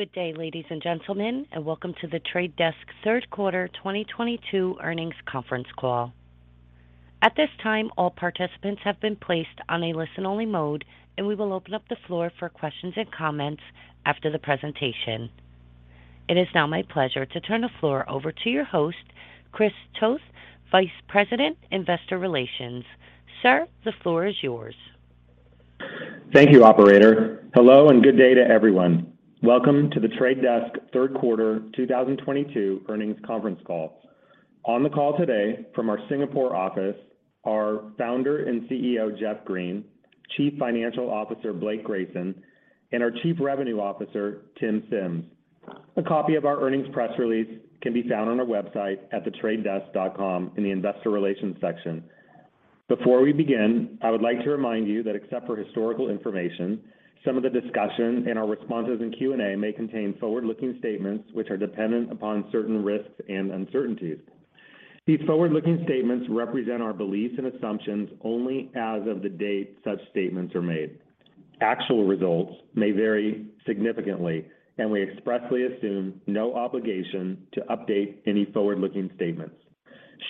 Good day, ladies and gentlemen, and welcome to The Trade Desk third quarter 2022 earnings Conference Call. At this time, all participants have been placed on a listen-only mode, and we will open up the floor for questions and comments after the presentation. It is now my pleasure to turn the floor over to your host, Chris Toth, Vice President, Investor Relations. Sir, the floor is yours. Thank you, operator. Hello, and good day to everyone. Welcome to The Trade Desk third quarter 2022 earnings conference call. On the call today from our Singapore office, our founder and CEO, Jeff Green, Chief Financial Officer, Blake Grayson, and our Chief Revenue Officer, Tim Sims. A copy of our earnings press release can be found on our website at thetradedesk.com in the investor relations section. Before we begin, I would like to remind you that except for historical information, some of the discussion and our responses in Q&A may contain forward-looking statements which are dependent upon certain risks and uncertainties. These forward-looking statements represent our beliefs and assumptions only as of the date such statements are made. Actual results may vary significantly, and we expressly assume no obligation to update any forward-looking statements.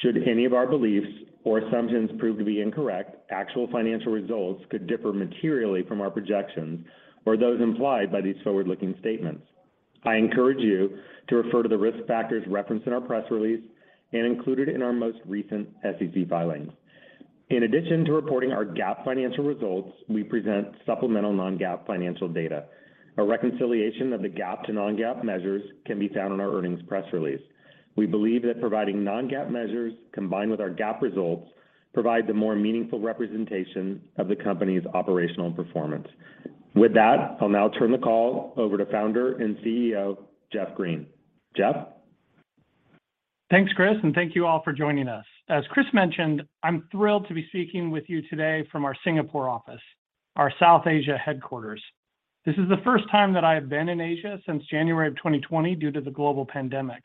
Should any of our beliefs or assumptions prove to be incorrect, actual financial results could differ materially from our projections or those implied by these forward-looking statements. I encourage you to refer to the risk factors referenced in our press release and included in our most recent SEC filings. In addition to reporting our GAAP financial results, we present supplemental non-GAAP financial data. A reconciliation of the GAAP to non-GAAP measures can be found in our earnings press release. We believe that providing non-GAAP measures combined with our GAAP results provide the more meaningful representation of the company's operational performance. With that, I'll now turn the call over to Founder and CEO, Jeff Green. Jeff? Thanks, Chris, and thank you all for joining us. As Chris mentioned, I'm thrilled to be speaking with you today from our Singapore office, our South Asia headquarters. This is the first time that I have been in Asia since January of 2020 due to the global pandemic,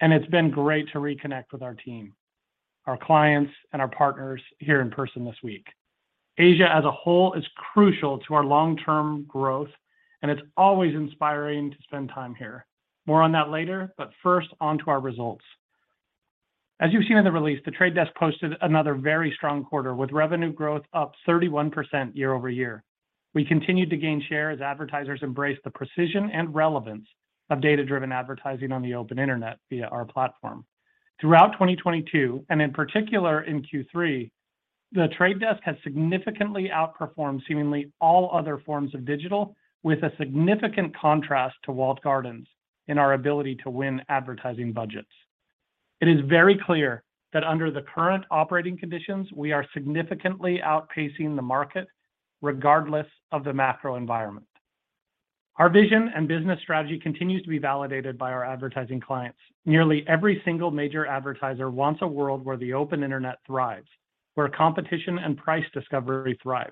and it's been great to reconnect with our team, our clients, and our partners here in person this week. Asia as a whole is crucial to our long-term growth, and it's always inspiring to spend time here. More on that later, but first, on to our results. As you've seen in the release, The Trade Desk posted another very strong quarter with revenue growth up 31% year-over-year. We continued to gain share as advertisers embrace the precision and relevance of data-driven advertising on the open Internet via our platform. Throughout 2022, and in particular in Q3, The Trade Desk has significantly outperformed seemingly all other forms of digital with a significant contrast to walled gardens in our ability to win advertising budgets. It is very clear that under the current operating conditions, we are significantly outpacing the market regardless of the macro environment. Our vision and business strategy continues to be validated by our advertising clients. Nearly every single major advertiser wants a world where the open Internet thrives, where competition and price discovery thrive.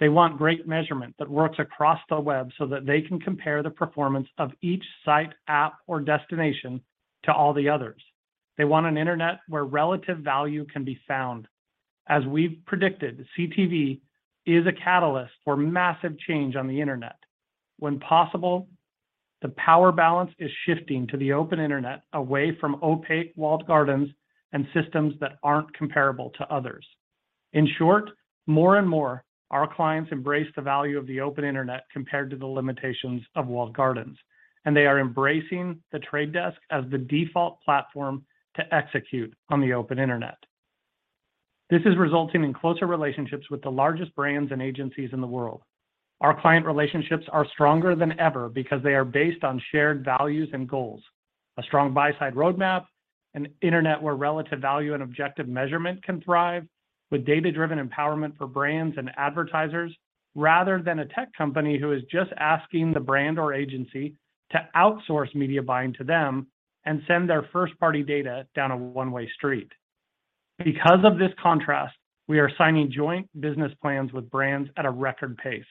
They want great measurement that works across the web so that they can compare the performance of each site, app, or destination to all the others. They want an Internet where relative value can be found. As we've predicted, CTV is a catalyst for massive change on the Internet. When possible, the power balance is shifting to the open Internet away from opaque walled gardens and systems that aren't comparable to others. In short, more and more our clients embrace the value of the open Internet compared to the limitations of walled gardens, and they are embracing The Trade Desk as the default platform to execute on the open Internet. This is resulting in closer relationships with the largest brands and agencies in the world. Our client relationships are stronger than ever because they are based on shared values and goals. A strong buy-side roadmap, an Internet where relative value and objective measurement can thrive with data-driven empowerment for brands and advertisers, rather than a tech company who is just asking the brand or agency to outsource media buying to them and send their first-party data down a one-way street. Because of this contrast, we are signing joint business plans with brands at a record pace.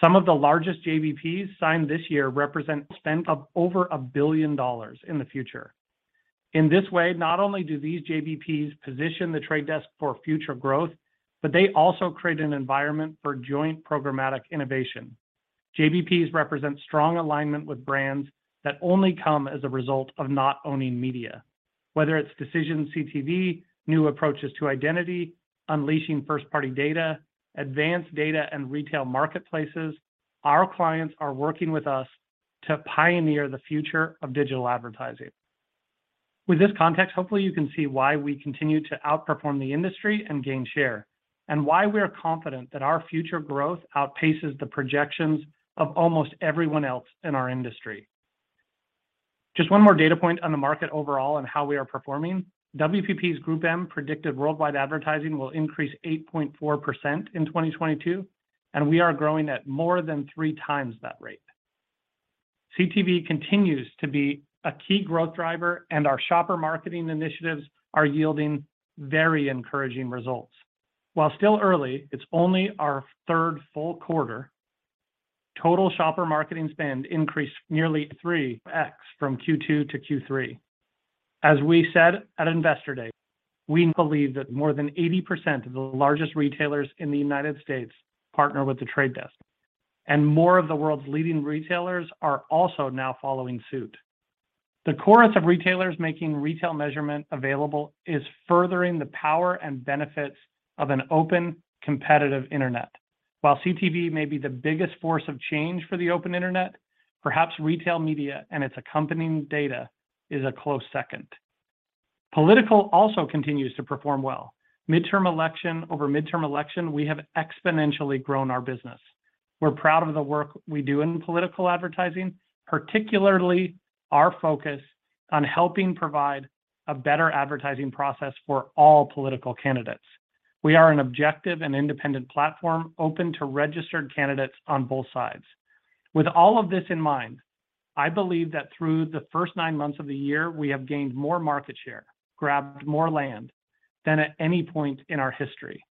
Some of the largest JBPs signed this year represent spend of over $1 billion in the future. In this way, not only do these JBPs position The Trade Desk for future growth, but they also create an environment for joint programmatic innovation. JBPs represent strong alignment with brands that only come as a result of not owning media. Whether it's decision CTV, new approaches to identity, unleashing first-party data, advanced data and retail marketplaces, our clients are working with us to pioneer the future of digital advertising. With this context, hopefully you can see why we continue to outperform the industry and gain share, and why we are confident that our future growth outpaces the projections of almost everyone else in our industry. Just one more data point on the market overall and how we are performing. WPP's GroupM predicted worldwide advertising will increase 8.4% in 2022, and we are growing at more than 3x that rate. CTV continues to be a key growth driver, and our shopper marketing initiatives are yielding very encouraging results. While still early, it's only our third full quarter, total shopper marketing spend increased nearly 3x from Q2-Q3. As we said at Investor Day, we believe that more than 80% of the largest retailers in the United States partner with The Trade Desk, and more of the world's leading retailers are also now following suit. The chorus of retailers making retail measurement available is furthering the power and benefits of an open, competitive internet. While CTV may be the biggest force of change for the open Internet, perhaps retail media and its accompanying data is a close second. Political also continues to perform well. Over midterm election, we have exponentially grown our business. We're proud of the work we do in political advertising, particularly our focus on helping provide a better advertising process for all political candidates. We are an objective and independent platform open to registered candidates on both sides. With all of this in mind, I believe that through the first nine months of the year, we have gained more market share, grabbed more land than at any point in our history.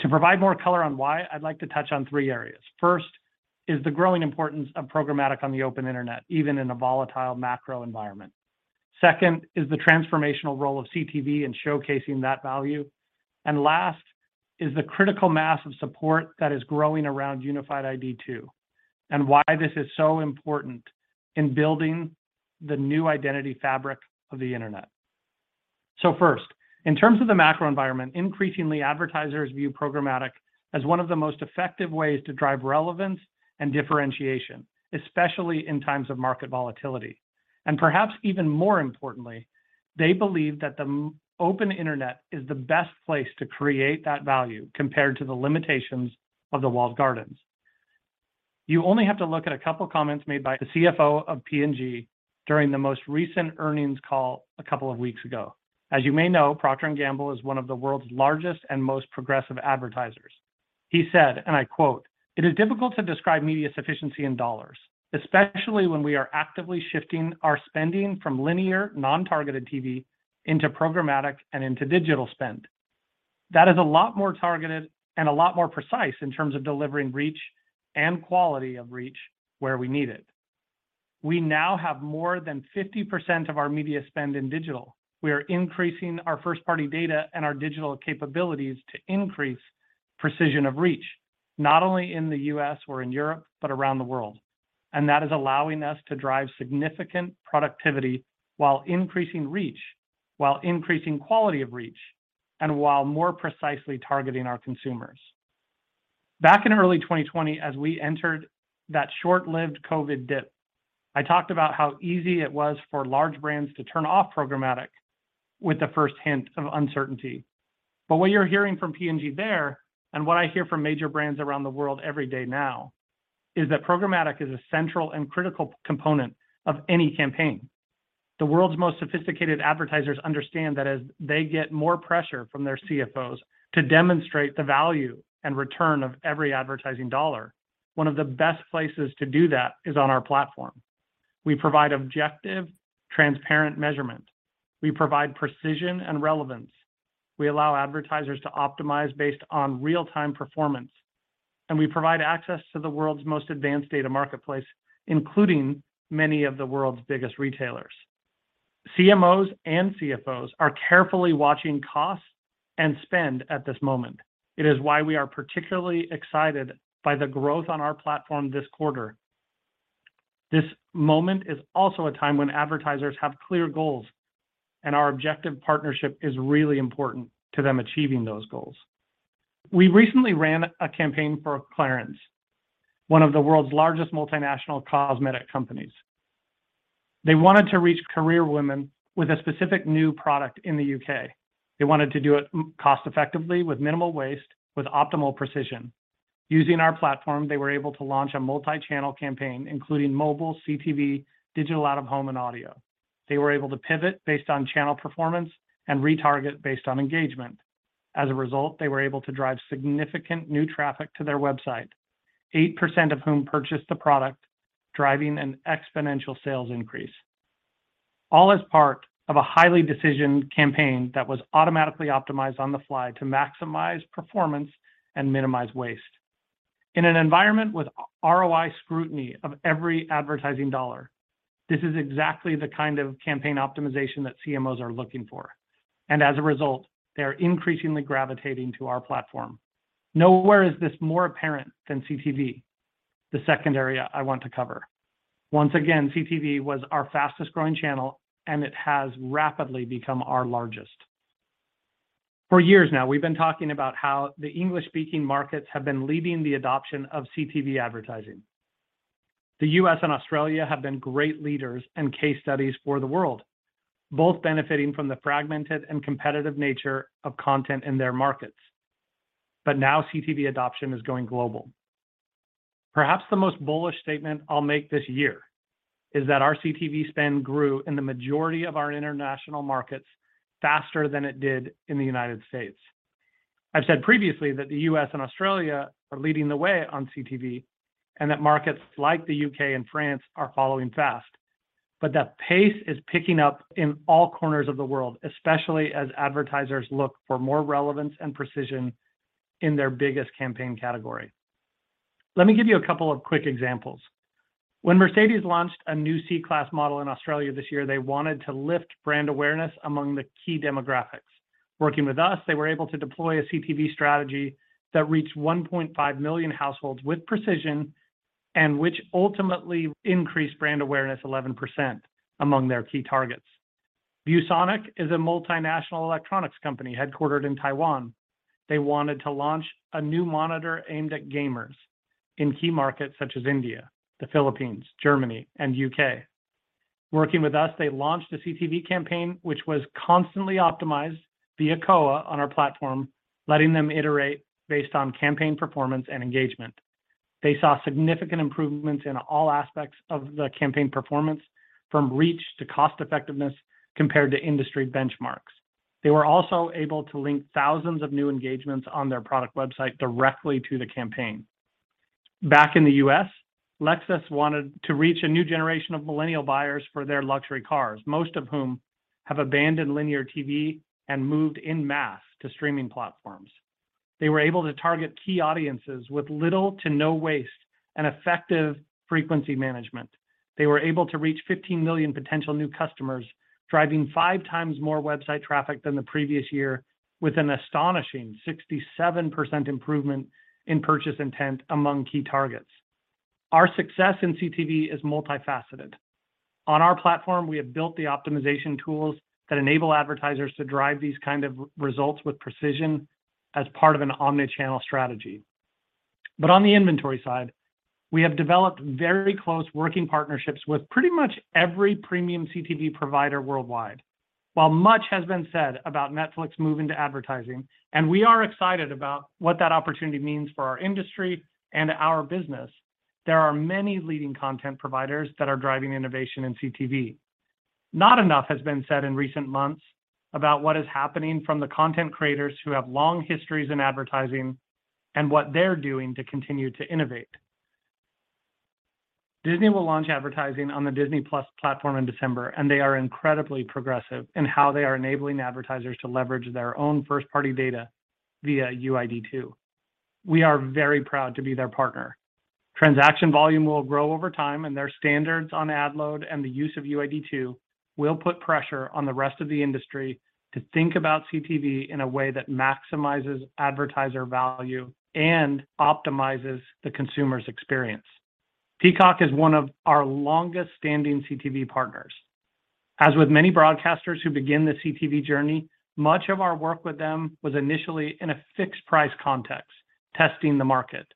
To provide more color on why, I'd like to touch on three areas. First is the growing importance of programmatic on the open Internet, even in a volatile macro environment. Second is the transformational role of CTV in showcasing that value. Last is the critical mass of support that is growing around Unified ID2 and why this is so important in building the new identity fabric of the Internet. First, in terms of the macro environment, increasingly advertisers view programmatic as one of the most effective ways to drive relevance and differentiation, especially in times of market volatility. Perhaps even more importantly, they believe that the open internet is the best place to create that value compared to the limitations of the walled gardens. You only have to look at a couple comments made by the CFO of P&G during the most recent earnings call a couple of weeks ago. As you may know, Procter & Gamble is one of the world's largest and most progressive advertisers. He said, and I quote, "It is difficult to describe media's efficiency in dollars, especially when we are actively shifting our spending from linear, non-targeted TV into programmatic and into digital spend. That is a lot more targeted and a lot more precise in terms of delivering reach and quality of reach where we need it. We now have more than 50% of our media spend in digital. We are increasing our first-party data and our digital capabilities to increase precision of reach, not only in the U.S. or in Europe, but around the world. That is allowing us to drive significant productivity while increasing reach, while increasing quality of reach, and while more precisely targeting our consumers. Back in early 2020, as we entered that short-lived COVID dip, I talked about how easy it was for large brands to turn off programmatic with the first hint of uncertainty. What you're hearing from P&G there, and what I hear from major brands around the world every day now, is that programmatic is a central and critical component of any campaign. The world's most sophisticated advertisers understand that as they get more pressure from their CFOs to demonstrate the value and return of every advertising dollar, one of the best places to do that is on our platform. We provide objective, transparent measurement. We provide precision and relevance. We allow advertisers to optimize based on real-time performance, and we provide access to the world's most advanced data marketplace, including many of the world's biggest retailers. CMOs and CFOs are carefully watching costs and spend at this moment. It is why we are particularly excited by the growth on our platform this quarter. This moment is also a time when advertisers have clear goals, and our objective partnership is really important to them achieving those goals. We recently ran a campaign for Clarins, one of the world's largest multinational cosmetics company. They wanted to reach career women with a specific new product in the U.K. They wanted to do it cost-effectively with minimal waste, with optimal precision. Using our platform, they were able to launch a multi-channel campaign, including mobile, CTV, digital out-of-home, and audio. They were able to pivot based on channel performance and retarget based on engagement. As a result, they were able to drive significant new traffic to their website, 8% of whom purchased the product, driving an exponential sales increase. All as part of a highly decisioned campaign that was automatically optimized on the fly to maximize performance and minimize waste. In an environment with ROI scrutiny of every advertising dollar, this is exactly the kind of campaign optimization that CMOs are looking for, and as a result, they are increasingly gravitating to our platform. Nowhere is this more apparent than CTV, the second area I want to cover. Once again, CTV was our fastest-growing channel, and it has rapidly become our largest. For years now, we've been talking about how the English-speaking markets have been leading the adoption of CTV advertising. The U.S. and Australia have been great leaders and case studies for the world, both benefiting from the fragmented and competitive nature of content in their markets. Now CTV adoption is going global. Perhaps the most bullish statement I'll make this year is that our CTV spend grew in the majority of our international markets faster than it did in the United States. I've said previously that the U.S. and Australia are leading the way on CTV, and that markets like the U.K. and France are following fast, but that pace is picking up in all corners of the world, especially as advertisers look for more relevance and precision in their biggest campaign category. Let me give you a couple of quick examples. When Mercedes launched a new C-Class model in Australia this year, they wanted to lift brand awareness among the key demographics. Working with us, they were able to deploy a CTV strategy that reached 1.5 million households with precision and which ultimately increased brand awareness 11% among their key targets. ViewSonic is a multinational electronics company headquartered in Brea, California.They wanted to launch a new monitor aimed at gamers in key markets such as India, the Philippines, Germany, and U.K. Working with us, they launched a CTV campaign, which was constantly optimized via Koa on our platform, letting them iterate based on campaign performance and engagement. They saw significant improvements in all aspects of the campaign performance, from reach to cost-effectiveness, compared to industry benchmarks. They were also able to link thousands of new engagements on their product website directly to the campaign. Back in the U.S., Lexus wanted to reach a new generation of millennial buyers for their luxury cars, most of whom have abandoned linear TV and moved en masse to streaming platforms. They were able to target key audiences with little to no waste and effective frequency management. They were able to reach 15 million potential new customers, driving 5x more website traffic than the previous year with an astonishing 67% improvement in purchase intent among key targets. Our success in CTV is multifaceted. On our platform, we have built the optimization tools that enable advertisers to drive these kind of results with precision as part of an omni-channel strategy. On the inventory side, we have developed very close working partnerships with pretty much every premium CTV provider worldwide. While much has been said about Netflix moving to advertising, and we are excited about what that opportunity means for our industry and our business, there are many leading content providers that are driving innovation in CTV. Not enough has been said in recent months about what is happening from the content creators who have long histories in advertising and what they're doing to continue to innovate. Disney will launch advertising on the Disney+ platform in December, and they are incredibly progressive in how they are enabling advertisers to leverage their own first-party data via UID2. We are very proud to be their partner. Transaction volume will grow over time, and their standards on ad load and the use of UID2 will put pressure on the rest of the industry to think about CTV in a way that maximizes advertiser value and optimizes the consumer's experience. Peacock is one of our longest-standing CTV partners. As with many broadcasters who begin the CTV journey, much of our work with them was initially in a fixed price context, testing the market.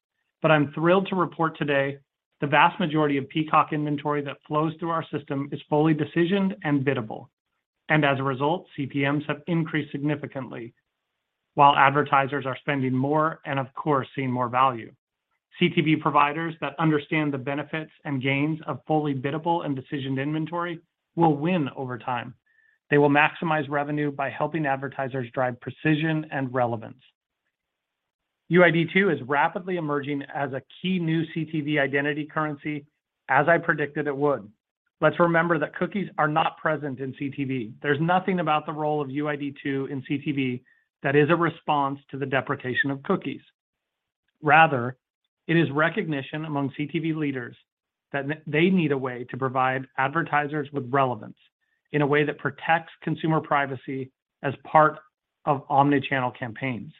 I'm thrilled to report today the vast majority of Peacock inventory that flows through our system is fully decisioned and biddable. As a result, CPMs have increased significantly while advertisers are spending more and of course, seeing more value. CTV providers that understand the benefits and gains of fully biddable and decisioned inventory will win over time. They will maximize revenue by helping advertisers drive precision and relevance. UID2 is rapidly emerging as a key new CTV identity currency, as I predicted it would. Let's remember that cookies are not present in CTV. There's nothing about the role of UID2 in CTV that is a response to the deprecation of cookies. Rather, it is recognition among CTV leaders that they need a way to provide advertisers with relevance in a way that protects consumer privacy as part of omni-channel campaigns.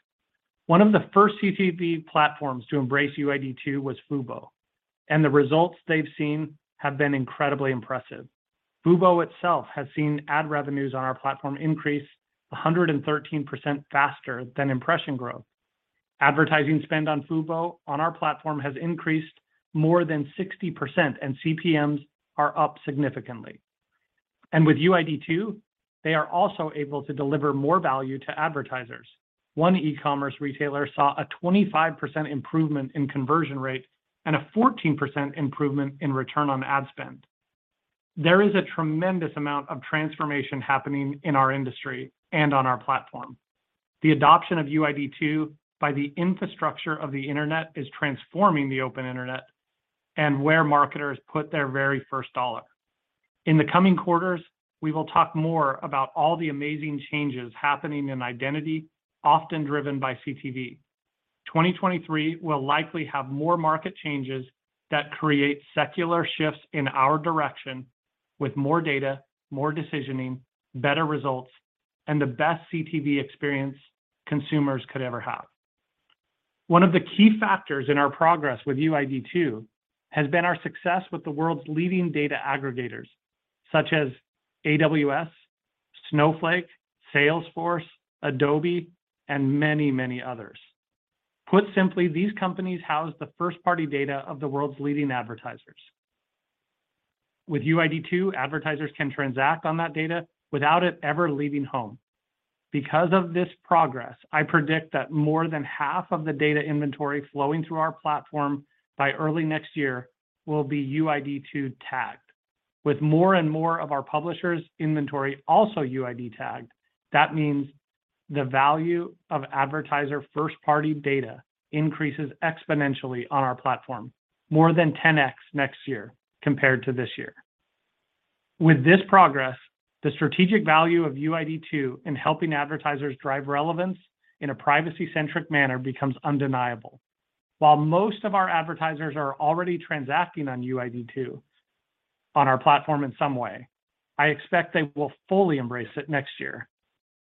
One of the first CTV platforms to embrace UID 2 was Fubo, and the results they've seen have been incredibly impressive. Fubo itself has seen ad revenues on our platform increase 113% faster than impression growth. Advertising spend on Fubo on our platform has increased more than 60%, and CPMs are up significantly. With UID 2, they are also able to deliver more value to advertisers. One e-commerce retailer saw a 25% improvement in conversion rate and a 14% improvement in return on ad spend. There is a tremendous amount of transformation happening in our industry and on our platform. The adoption of UID 2 by the infrastructure of the internet is transforming the open internet and where marketers put their very first dollar. In the coming quarters, we will talk more about all the amazing changes happening in identity, often driven by CTV. 2023 will likely have more market changes that create secular shifts in our direction with more data, more decisioning, better results, and the best CTV experience consumers could ever have. One of the key factors in our progress with UID 2 has been our success with the world's leading data aggregators, such as AWS, Snowflake, Salesforce, Adobe, and many, many others. Put simply, these companies house the first-party data of the world's leading advertisers. With UID 2, advertisers can transact on that data without it ever leaving home. Because of this progress, I predict that more than half of the data inventory flowing through our platform by early next year will be UID2-tagged. With more and more of our publishers' inventory also UID2-tagged, that means the value of advertiser first-party data increases exponentially on our platform, more than 10x next year compared to this year. With this progress, the strategic value of UID2 in helping advertisers drive relevance in a privacy-centric manner becomes undeniable. While most of our advertisers are already transacting on UID2 on our platform in some way, I expect they will fully embrace it next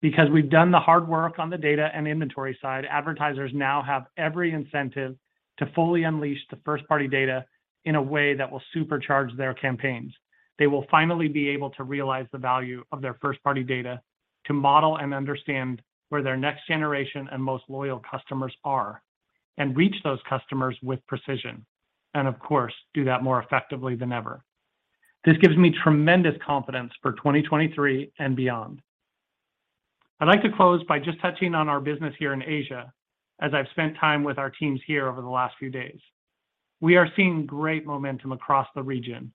year. Because we've done the hard work on the data and inventory side, advertisers now have every incentive to fully unleash the first-party data in a way that will supercharge their campaigns. They will finally be able to realize the value of their first-party data to model and understand where their next generation and most loyal customers are, and reach those customers with precision, and of course, do that more effectively than ever. This gives me tremendous confidence for 2023 and beyond. I'd like to close by just touching on our business here in Asia, as I've spent time with our teams here over the last few days. We are seeing great momentum across the region.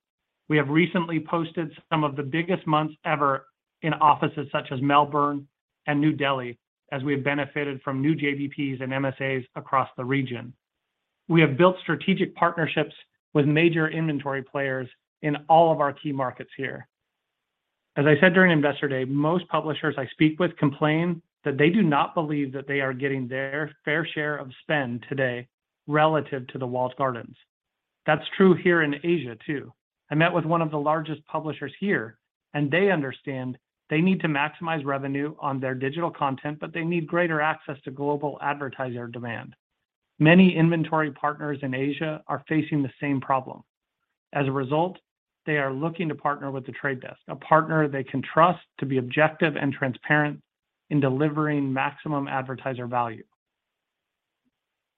We have recently posted some of the biggest months ever in offices such as Melbourne and New Delhi, as we have benefited from new JBPs and MSAs across the region. We have built strategic partnerships with major inventory players in all of our key markets here. As I said during Investor Day, most publishers I speak with complain that they do not believe that they are getting their fair share of spend today relative to the walled gardens. That's true here in Asia too. I met with one of the largest publishers here, and they understand they need to maximize revenue on their digital content, but they need greater access to global advertiser demand. Many inventory partners in Asia are facing the same problem. As a result, they are looking to partner with The Trade Desk, a partner they can trust to be objective and transparent in delivering maximum advertiser value.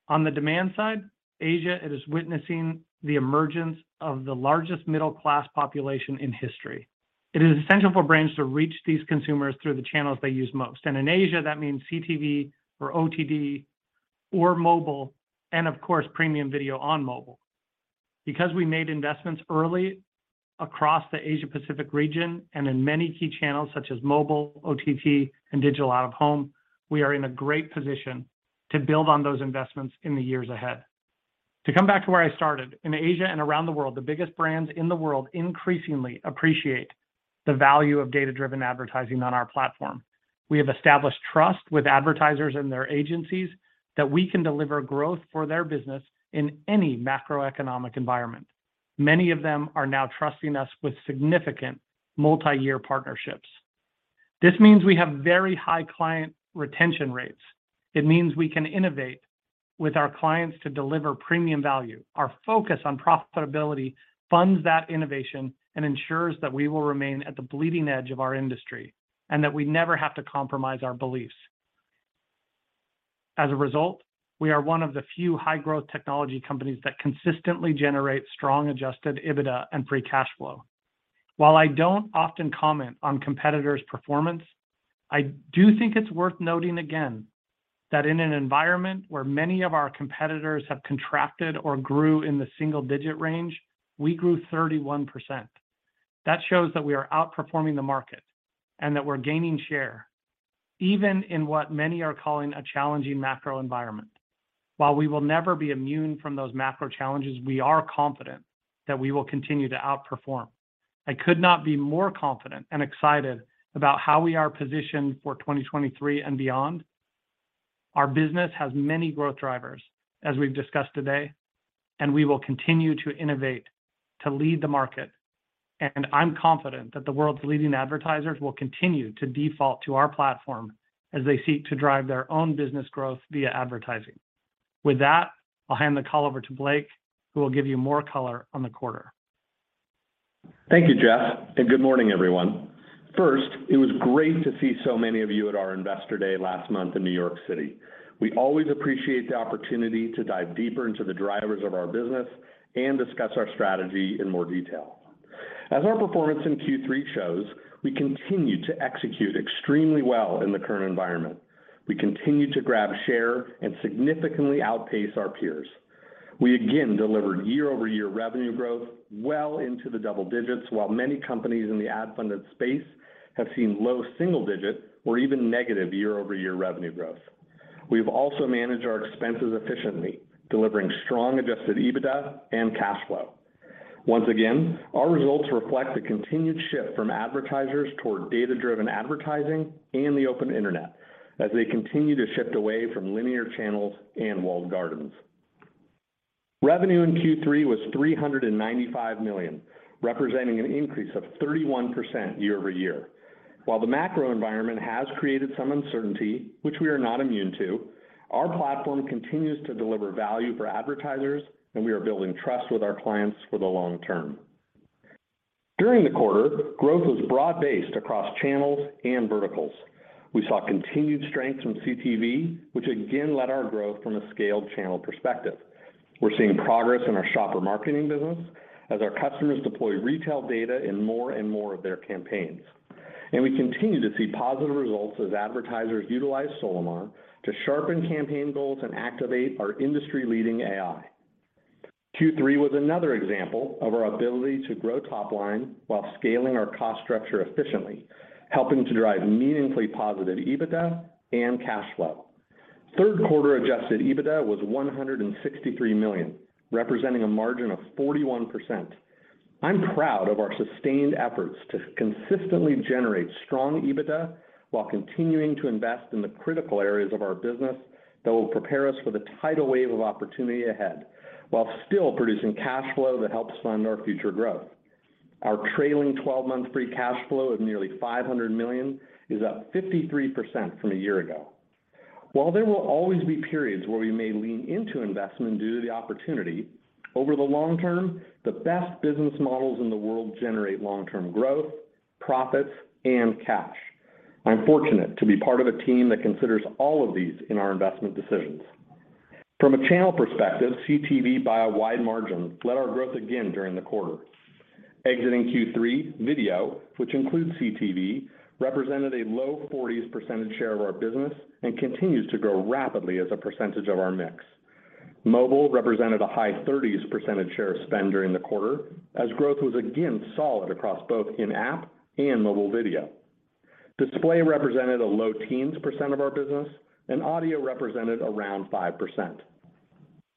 On the demand side, Asia is witnessing the emergence of the largest middle-class population in history. It is essential for brands to reach these consumers through the channels they use most. In Asia, that means CTV or OTT or mobile, and of course, premium video on mobile. Because we made investments early across the Asia Pacific region and in many key channels such as mobile, OTT, and digital out-of-home, we are in a great position to build on those investments in the years ahead. To come back to where I started, in Asia and around the world, the biggest brands in the world increasingly appreciate the value of data-driven advertising on our platform. We have established trust with advertisers and their agencies that we can deliver growth for their business in any macroeconomic environment. Many of them are now trusting us with significant multi-year partnerships. This means we have very high client retention rates. It means we can innovate with our clients to deliver premium value. Our focus on profitability funds that innovation and ensures that we will remain at the bleeding edge of our industry, and that we never have to compromise our beliefs. As a result, we are one of the few high-growth technology companies that consistently generate strong adjusted EBITDA and free cash flow. While I don't often comment on competitors' performance, I do think it's worth noting again that in an environment where many of our competitors have contracted or grew in the single-digit range, we grew 31%. That shows that we are outperforming the market and that we're gaining share, even in what many are calling a challenging macro environment. While we will never be immune from those macro challenges, we are confident that we will continue to outperform. I could not be more confident and excited about how we are positioned for 2023 and beyond. Our business has many growth drivers, as we've discussed today, and we will continue to innovate to lead the market. I'm confident that the world's leading advertisers will continue to default to our platform as they seek to drive their own business growth via advertising. With that, I'll hand the call over to Blake, who will give you more color on the quarter. Thank you, Jeff, and good morning, everyone. First, it was great to see so many of you at our Investor Day last month in New York City. We always appreciate the opportunity to dive deeper into the drivers of our business and discuss our strategy in more detail. As our performance in Q3 shows, we continue to execute extremely well in the current environment. We continue to grab share and significantly outpace our peers. We again delivered year-over-year revenue growth well into the double digits, while many companies in the ad-funded space have seen low single digit or even negative year-over-year revenue growth. We've also managed our expenses efficiently, delivering strong adjusted EBITDA and cash flow. Once again, our results reflect the continued shift from advertisers toward data-driven advertising and the open internet as they continue to shift away from linear channels and walled gardens. Revenue in Q3 was $395 million, representing an increase of 31% year-over-year. While the macro environment has created some uncertainty, which we are not immune to, our platform continues to deliver value for advertisers, and we are building trust with our clients for the long term. During the quarter, growth was broad-based across channels and verticals. We saw continued strength from CTV, which again led our growth from a scaled channel perspective. We're seeing progress in our shopper marketing business as our customers deploy retail data in more and more of their campaigns. We continue to see positive results as advertisers utilize Solimar to sharpen campaign goals and activate our industry-leading AI. Q3 was another example of our ability to grow top line while scaling our cost structure efficiently, helping to drive meaningfully positive EBITDA and cash flow. Third quarter adjusted EBITDA was $163 million, representing a margin of 41%. I'm proud of our sustained efforts to consistently generate strong EBITDA while continuing to invest in the critical areas of our business that will prepare us for the tidal wave of opportunity ahead, while still producing cash flow that helps fund our future growth. Our trailing twelve-month free cash flow of nearly $500 million is up 53% from a year ago. While there will always be periods where we may lean into investment due to the opportunity, over the long term, the best business models in the world generate long-term growth, profits, and cash. I'm fortunate to be part of a team that considers all of these in our investment decisions. From a channel perspective, CTV by a wide margin led our growth again during the quarter. Exiting Q3, video, which includes CTV, represented a low 40s% share of our business and continues to grow rapidly as a percentage of our mix. Mobile represented a high 30s% share of spend during the quarter, as growth was again solid across both in-app and mobile video. Display represented a low teens percent of our business, and audio represented around 5%.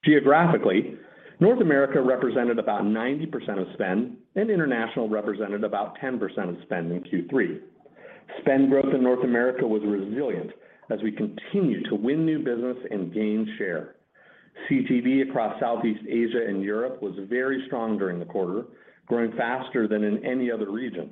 Geographically, North America represented about 90% of spend and international represented about 10% of spend in Q3. Spend growth in North America was resilient as we continue to win new business and gain share. CTV across Southeast Asia and Europe was very strong during the quarter, growing faster than in any other region.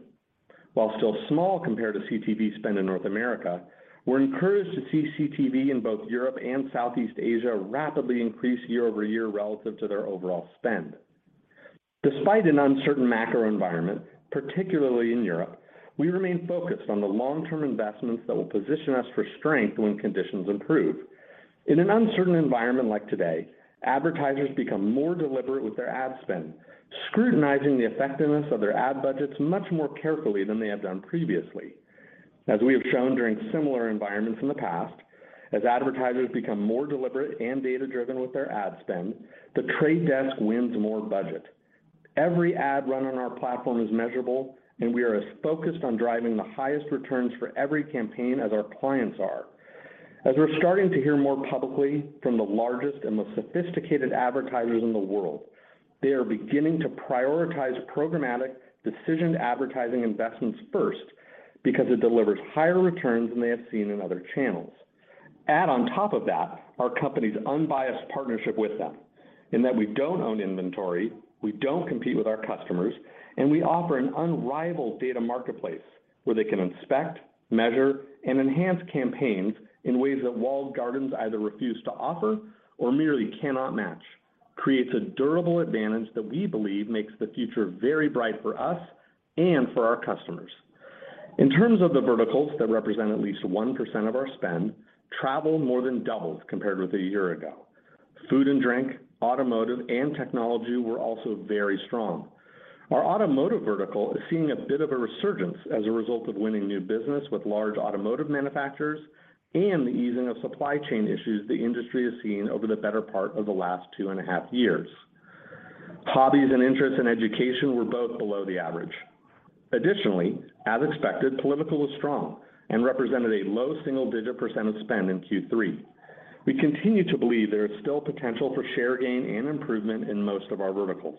While still small compared to CTV spend in North America, we're encouraged to see CTV in both Europe and Southeast Asia rapidly increase year over year relative to their overall spend. Despite an uncertain macro environment, particularly in Europe, we remain focused on the long-term investments that will position us for strength when conditions improve. In an uncertain environment like today, advertisers become more deliberate with their ad spend, scrutinizing the effectiveness of their ad budgets much more carefully than they have done previously. As we have shown during similar environments in the past, as advertisers become more deliberate and data-driven with their ad spend, The Trade Desk wins more budget. Every ad run on our platform is measurable, and we are as focused on driving the highest returns for every campaign as our clients are. As we're starting to hear more publicly from the largest and most sophisticated advertisers in the world, they are beginning to prioritize programmatic decision advertising investments first because it delivers higher returns than they have seen in other channels. Add on top of that our company's unbiased partnership with them in that we don't own inventory, we don't compete with our customers, and we offer an unrivaled data marketplace where they can inspect, measure, and enhance campaigns in ways that walled gardens either refuse to offer or merely cannot match, creates a durable advantage that we believe makes the future very bright for us and for our customers. In terms of the verticals that represent at least 1% of our spend, travel more than doubled compared with a year ago. Food and drink, automotive, and technology were also very strong. Our automotive vertical is seeing a bit of a resurgence as a result of winning new business with large automotive manufacturers and the easing of supply chain issues the industry has seen over the better part of the last 2.5 years. Hobbies and interests and education were both below the average. Additionally, as expected, political was strong and represented a low single-digit percent of spend in Q3. We continue to believe there is still potential for share gain and improvement in most of our verticals.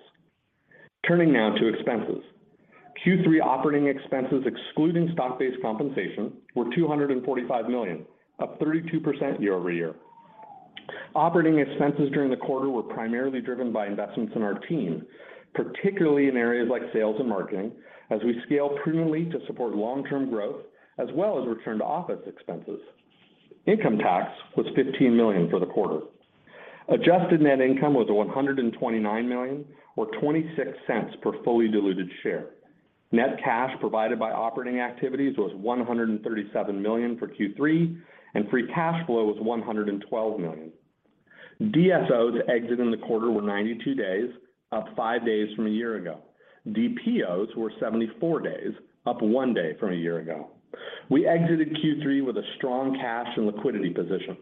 Turning now to expenses. Q3 operating expenses excluding stock-based compensation were $245 million, up 32% year-over-year. Operating expenses during the quarter were primarily driven by investments in our team, particularly in areas like sales and marketing, as we scale prudently to support long-term growth, as well as return to office expenses. Income tax was $15 million for the quarter. Adjusted net income was $129 million or $0.26 per fully diluted share. Net cash provided by operating activities was $137 million for Q3, and free cash flow was $112 million. DSOs exiting the quarter were 92 days, up five days from a year ago. DPOs were 74 days, up one day from a year ago. We exited Q3 with a strong cash and liquidity position.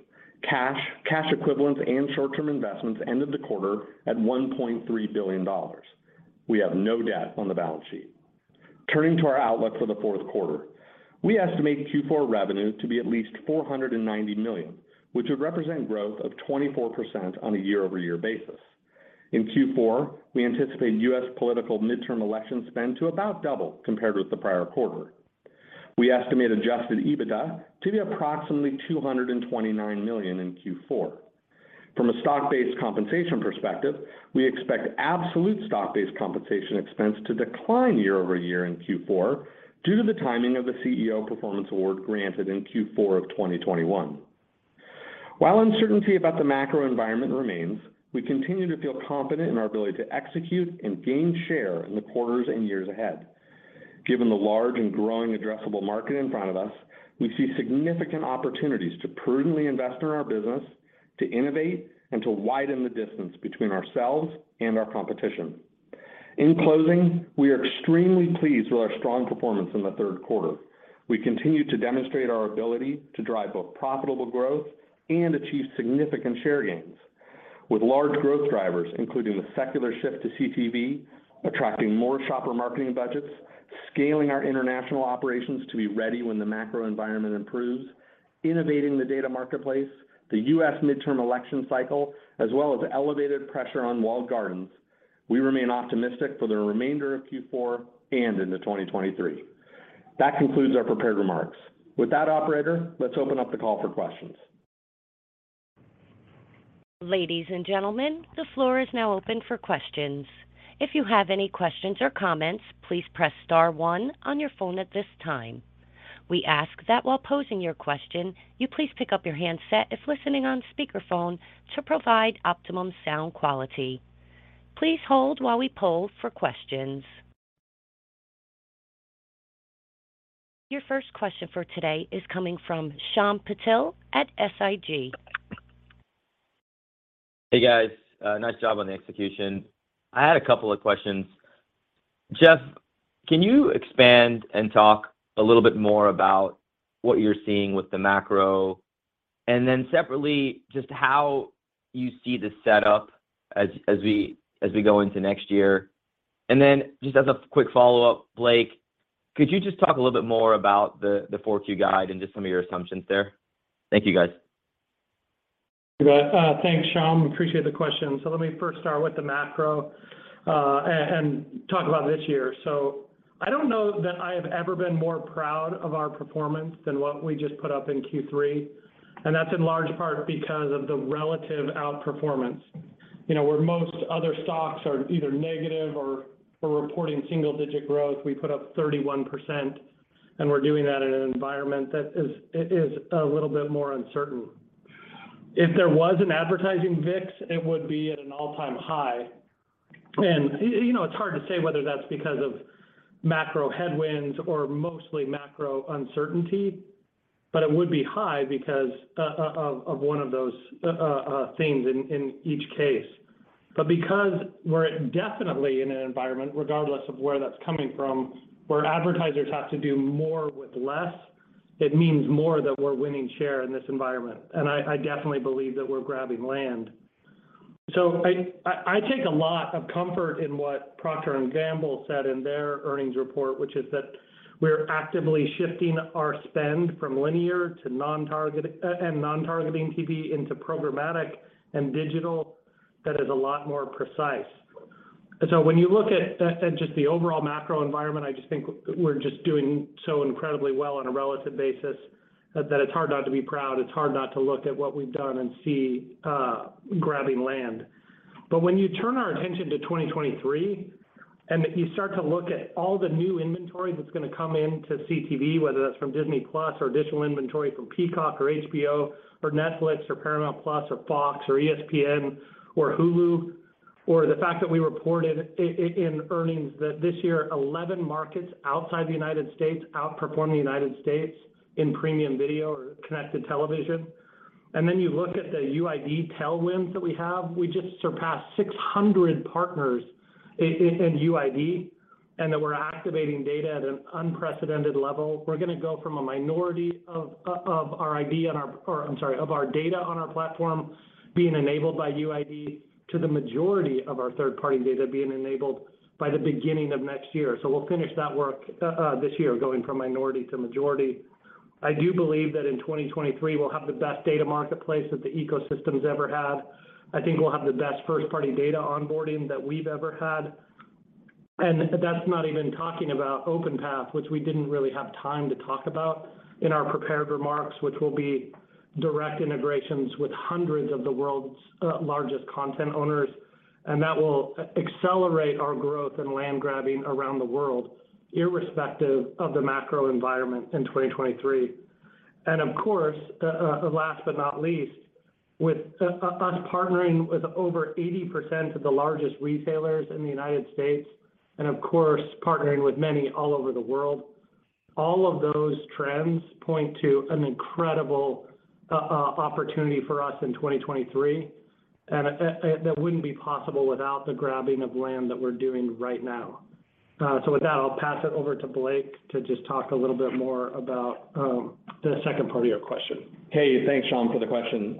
Cash, cash equivalents, and short-term investments ended the quarter at $1.3 billion. We have no debt on the balance sheet. Turning to our outlook for the fourth quarter. We estimate Q4 revenue to be at least $490 million, which would represent growth of 24% on a year-over-year basis. In Q4, we anticipate U.S. political midterm election spend to about double compared with the prior quarter. We estimate adjusted EBITDA to be approximately $229 million in Q4. From a stock-based compensation perspective, we expect absolute stock-based compensation expense to decline year over year in Q4 due to the timing of the CEO performance award granted in Q4 of 2021. While uncertainty about the macro environment remains, we continue to feel confident in our ability to execute and gain share in the quarters and years ahead. Given the large and growing addressable market in front of us, we see significant opportunities to prudently invest in our business, to innovate, and to widen the distance between ourselves and our competition. In closing, we are extremely pleased with our strong performance in the third quarter. We continue to demonstrate our ability to drive both profitable growth and achieve significant share gains. With large growth drivers, including the secular shift to CTV, attracting more shopper marketing budgets, scaling our international operations to be ready when the macro environment improves, innovating the data marketplace, the U.S. midterm election cycle, as well as elevated pressure on walled gardens, we remain optimistic for the remainder of Q4 and into 2023. That concludes our prepared remarks. With that, operator, let's open up the call for questions. Ladies and gentlemen, the floor is now open for questions. If you have any questions or comments, please press star one on your phone at this time. We ask that while posing your question, you please pick up your handset if listening on speakerphone to provide optimum sound quality. Please hold while we poll for questions. Your first question for today is coming from Shyam Patil at SIG. Hey, guys. Nice job on the execution. I had a couple of questions. Jeff, can you expand and talk a little bit more about what you're seeing with the macro? Separately, just how you see the setup as we go into next year. Just as a quick follow-up, Blake, could you just talk a little bit more about the Q4 guide and just some of your assumptions there? Thank you, guys. You bet. Thanks, Shyam. Appreciate the question. Let me first start with the macro, and talk about this year. I don't know that I have ever been more proud of our performance than what we just put up in Q3, and that's in large part because of the relative outperformance. You know, where most other stocks are either negative or reporting single-digit growth, we put up 31%, and we're doing that in an environment that is a little bit more uncertain. If there was an advertising VIX, it would be at an all-time high. You know, it's hard to say whether that's because of macro headwinds or mostly macro uncertainty, but it would be high because of one of those things in each case. because we're definitely in an environment, regardless of where that's coming from, where advertisers have to do more with less, it means more that we're winning share in this environment. I definitely believe that we're grabbing land. I take a lot of comfort in what Procter & Gamble said in their earnings report, which is that we're actively shifting our spend from linear to non-targeting TV into programmatic and digital that is a lot more precise. When you look at just the overall macro environment, I just think we're just doing so incredibly well on a relative basis that it's hard not to be proud. It's hard not to look at what we've done and see grabbing land. When you turn our attention to 2023, and you start to look at all the new inventory that's gonna come in to CTV, whether that's from Disney+ or additional inventory from Peacock or HBO or Netflix or Paramount+ or Fox or ESPN or Hulu, or the fact that we reported in earnings that this year 11 markets outside the United States outperformed the United States in premium video or connected television. You look at the UID tailwinds that we have. We just surpassed 600 partners in UID, and that we're activating data at an unprecedented level. We're gonna go from a minority of our data on our platform being enabled by UID to the majority of our third-party data being enabled by the beginning of next year. We'll finish that work this year, going from minority to majority. I do believe that in 2023, we'll have the best data marketplace that the ecosystem's ever had. I think we'll have the best first-party data onboarding that we've ever had. That's not even talking about OpenPath, which we didn't really have time to talk about in our prepared remarks, which will be direct integrations with hundreds of the world's largest content owners, and that will accelerate our growth and land grabbing around the world, irrespective of the macro environment in 2023. Of course, last but not least, with us partnering with over 80% of the largest retailers in the United States and of course partnering with many all over the world, all of those trends point to an incredible opportunity for us in 2023. that wouldn't be possible without the grabbing of land that we're doing right now. With that, I'll pass it over to Blake to just talk a little bit more about the second part of your question. Hey, thanks, Shyam, for the question.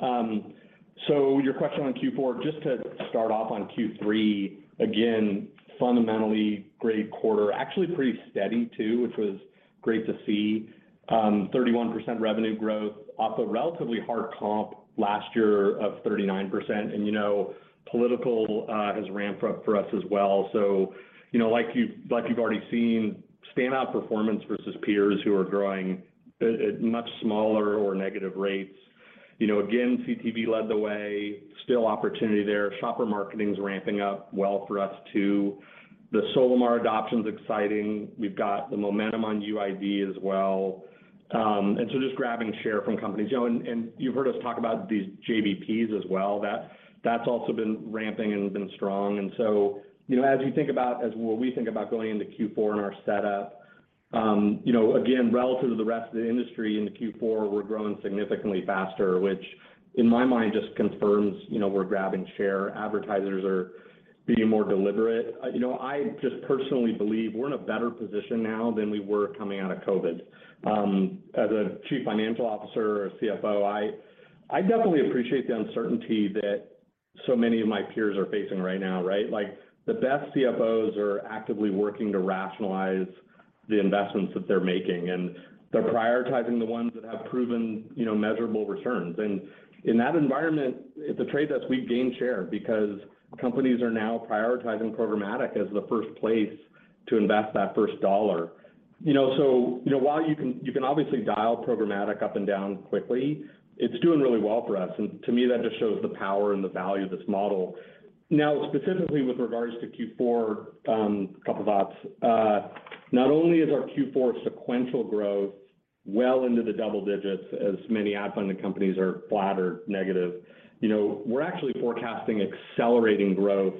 Your question on Q4, just to start off on Q3, again, fundamentally great quarter, actually pretty steady too, which was great to see. 31% revenue growth off a relatively hard comp last year of 39%. You know, political has ramped up for us as well. You know, like you've already seen, standout performance versus peers who are growing at much smaller or negative rates. You know, again, CTV led the way, still opportunity there. Shopper marketing's ramping up well for us too. The Solimar adoption's exciting. We've got the momentum on UID as well. Just grabbing share from companies. You've heard us talk about these JBPs as well. That's also been ramping and been strong. As you think about what we think about going into Q4 and our setup, again, relative to the rest of the industry into Q4, we're growing significantly faster, which in my mind just confirms we're grabbing share. Advertisers are being more deliberate. I just personally believe we're in a better position now than we were coming out of COVID. As a Chief Financial Officer or CFO, I definitely appreciate the uncertainty that Many of my peers are facing right now, right? Like, the best CFOs are actively working to rationalize the investments that they're making, and they're prioritizing the ones that have proven, you know, measurable returns. In that environment, at The Trade Desk, we've gained share because companies are now prioritizing programmatic as the first place to invest that first dollar. You know, so, you know, while you can, you can obviously dial programmatic up and down quickly, it's doing really well for us. To me, that just shows the power and the value of this model. Now, specifically with regards to Q4, a couple thoughts. Not only is our Q4 sequential growth well into the double digits, as many ad-funded companies are flat or negative, you know, we're actually forecasting accelerating growth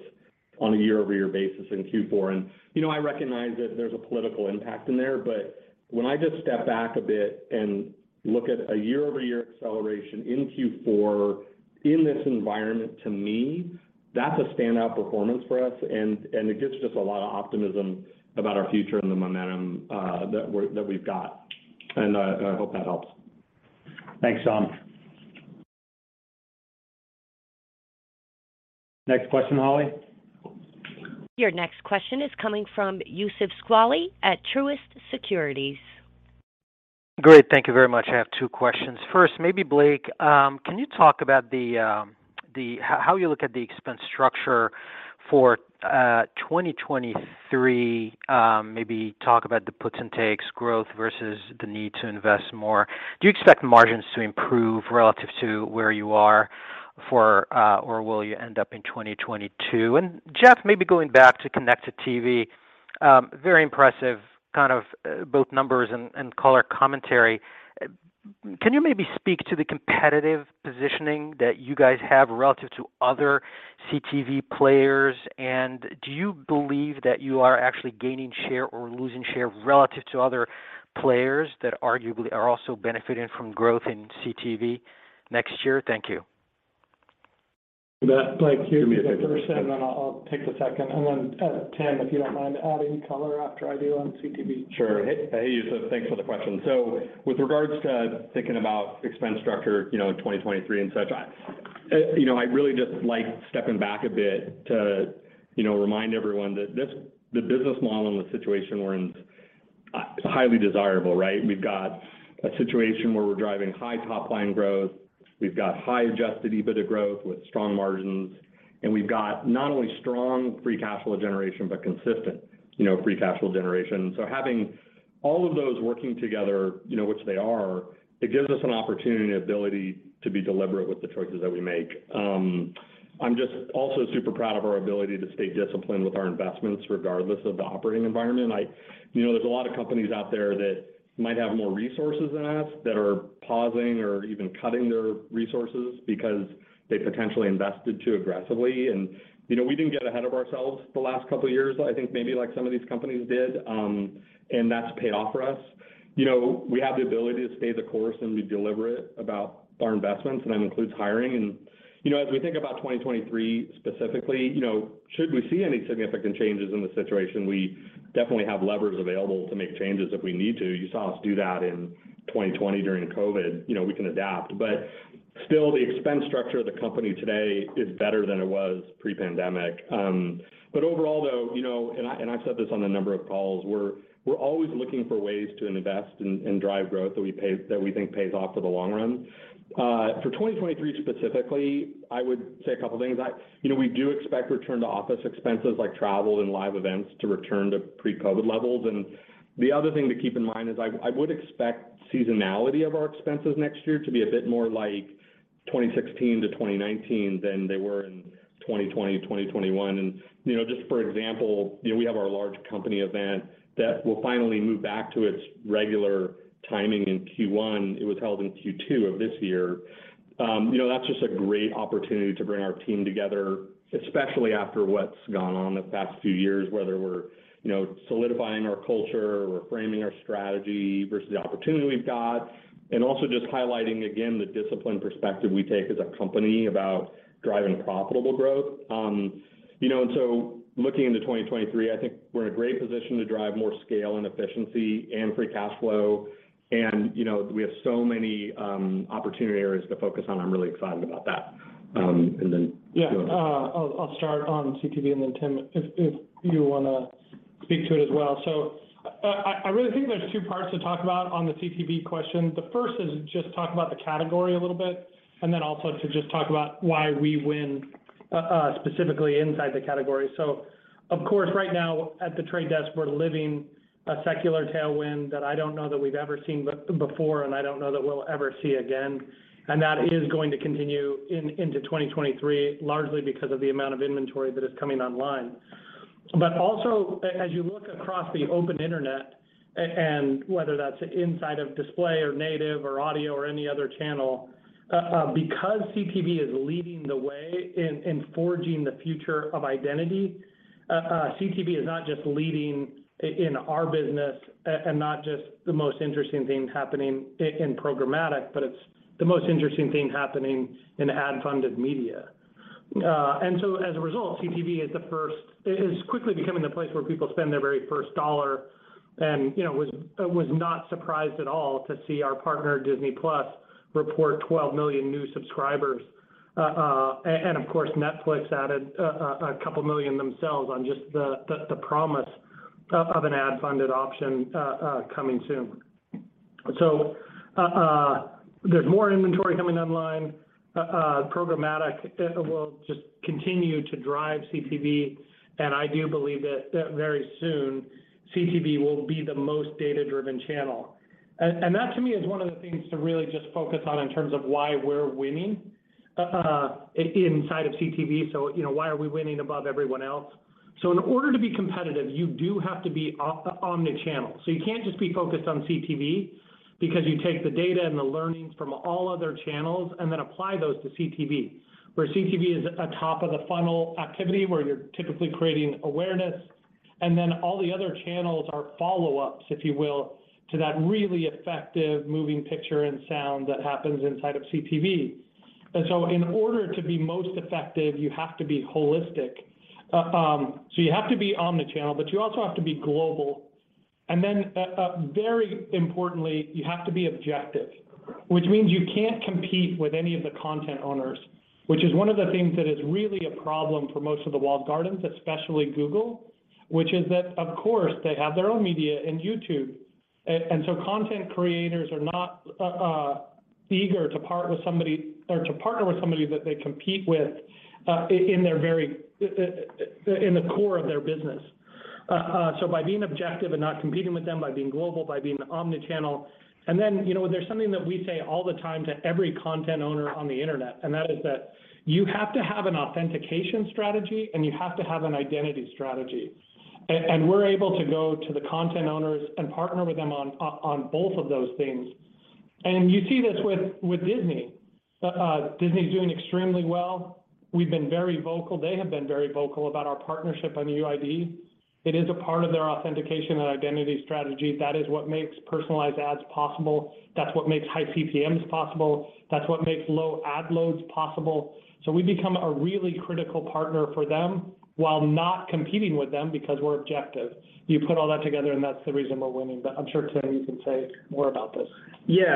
on a year-over-year basis in Q4. You know, I recognize that there's a political impact in there, but when I just step back a bit and look at a year-over-year acceleration in Q4 in this environment, to me, that's a standout performance for us and it gives us a lot of optimism about our future and the momentum that we've got. I hope that helps. Thanks, Tom. Next question, Holly. Your next question is coming from Youssef Squali at Truist Securities. Great. Thank you very much. I have two questions. First, maybe Blake, can you talk about how you look at the expense structure for 2023? Maybe talk about the puts and takes, growth versus the need to invest more. Do you expect margins to improve relative to where you are, or will you end up in 2022? And Jeff, maybe going back to connected TV, very impressive kind of both numbers and color commentary. Can you maybe speak to the competitive positioning that you guys have relative to other CTV players? And do you believe that you are actually gaining share or losing share relative to other players that arguably are also benefiting from growth in CTV next year? Thank you. That, Blake, you can take the first, and then I'll take the second. Then, Tim, if you don't mind adding color after I do on CTV. Sure. Hey, Youssef. Thanks for the question. With regards to thinking about expense structure, you know, in 2023 and such, you know, I really just like stepping back a bit to, you know, remind everyone that this the business model and the situation we're in is highly desirable, right? We've got a situation where we're driving high top-line growth. We've got high adjusted EBITDA growth with strong margins, and we've got not only strong free cash flow generation, but consistent, you know, free cash flow generation. Having all of those working together, you know, which they are, it gives us an opportunity and ability to be deliberate with the choices that we make. I'm just also super proud of our ability to stay disciplined with our investments regardless of the operating environment. You know, there's a lot of companies out there that might have more resources than us that are pausing or even cutting their resources because they potentially invested too aggressively. You know, we didn't get ahead of ourselves the last couple of years, I think maybe like some of these companies did, and that's paid off for us. You know, we have the ability to stay the course, and be deliberate about our investments, and that includes hiring. You know, as we think about 2023 specifically, you know, should we see any significant changes in the situation, we definitely have levers available to make changes if we need to. You saw us do that in 2020 during COVID. You know, we can adapt. Still, the expense structure of the company today is better than it was pre-pandemic. Overall though, you know, and I've said this on a number of calls, we're always looking for ways to invest and drive growth that we think pays off for the long run. For 2023 specifically, I would say a couple of things. You know, we do expect return-to-office expenses like travel and live events to return to pre-COVID levels. The other thing to keep in mind is I would expect seasonality of our expenses next year to be a bit more like 2016 to 2019 than they were in 2020, 2021. You know, just for example, you know, we have our large company event that will finally move back to its regular timing in Q1. It was held in Q2 of this year. You know, that's just a great opportunity to bring our team together, especially after what's gone on the past two years, whether we're, you know, solidifying our culture or framing our strategy versus the opportunity we've got, and also just highlighting again the disciplined perspective we take as a company about driving profitable growth. You know, looking into 2023, I think we're in a great position to drive more scale and efficiency and free cash flow. You know, we have so many opportunity areas to focus on. I'm really excited about that. Yeah. I'll start on CTV and then Tim, if you wanna speak to it as well. I really think there's two parts to talk about on the CTV question. The first is just talk about the category a little bit, and then also to just talk about why we win, specifically inside the category. Of course, right now at The Trade Desk, we're living a secular tailwind that I don't know that we've ever seen before, and I don't know that we'll ever see again. That is going to continue into 2023, largely because of the amount of inventory that is coming online. As you look across the open internet and whether that's inside of display or native or audio or any other channel, because CTV is leading the way in forging the future of identity, CTV is not just leading in our business and not just the most interesting thing happening in programmatic, but it's the most interesting thing happening in ad-funded media. As a result, CTV is the first. It is quickly becoming the place where people spend their very first dollar. You know, I was not surprised at all to see our partner, Disney Plus, report 12 million new subscribers. Of course, Netflix added a couple million themselves on just the promise of an ad-funded option coming soon. There's more inventory coming online. Programmatic will just continue to drive CTV, and I do believe that very soon CTV will be the most data-driven channel. That to me is one of the things to really just focus on in terms of why we're winning inside of CTV. You know, why are we winning above everyone else? In order to be competitive, you do have to be omnichannel. You can't just be focused on CTV, because you take the data and the learnings from all other channels and then apply those to CTV, where CTV is a top-of-the-funnel activity where you're typically creating awareness, and then all the other channels are follow-ups, if you will, to that really effective moving picture and sound that happens inside of CTV. In order to be most effective, you have to be holistic. You have to be omnichannel, but you also have to be global. Very importantly, you have to be objective, which means you can't compete with any of the content owners, which is one of the things that is really a problem for most of the walled gardens, especially Google, which is that of course they have their own media in YouTube. Content creators are not eager to partner with somebody, or to partner with somebody that they compete with, in the core of their business. By being objective and not competing with them, by being global, by being omnichannel. You know, there's something that we say all the time to every content owner on the internet, and that is that you have to have an authentication strategy, and you have to have an identity strategy. We're able to go to the content owners and partner with them on both of those things. You see this with Disney. Disney's doing extremely well. We've been very vocal. They have been very vocal about our partnership on the UID. It is a part of their authentication and identity strategy. That is what makes personalized ads possible. That's what makes high CPMs possible. That's what makes low ad loads possible. We've become a really critical partner for them while not competing with them because we're objective. You put all that together, and that's the reason we're winning. I'm sure, Tim, you can say more about this. Yes,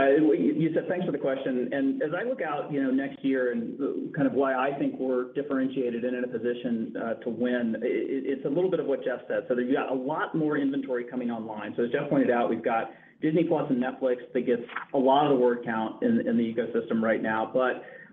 thanks for the question. As I look out, you know, next year and kind of why I think we're differentiated and in a position to win, it's a little bit of what Jeff said. There's a lot more inventory coming online. As Jeff pointed out, we've got Disney+ and Netflix that gets a lot of the word count in the ecosystem right now.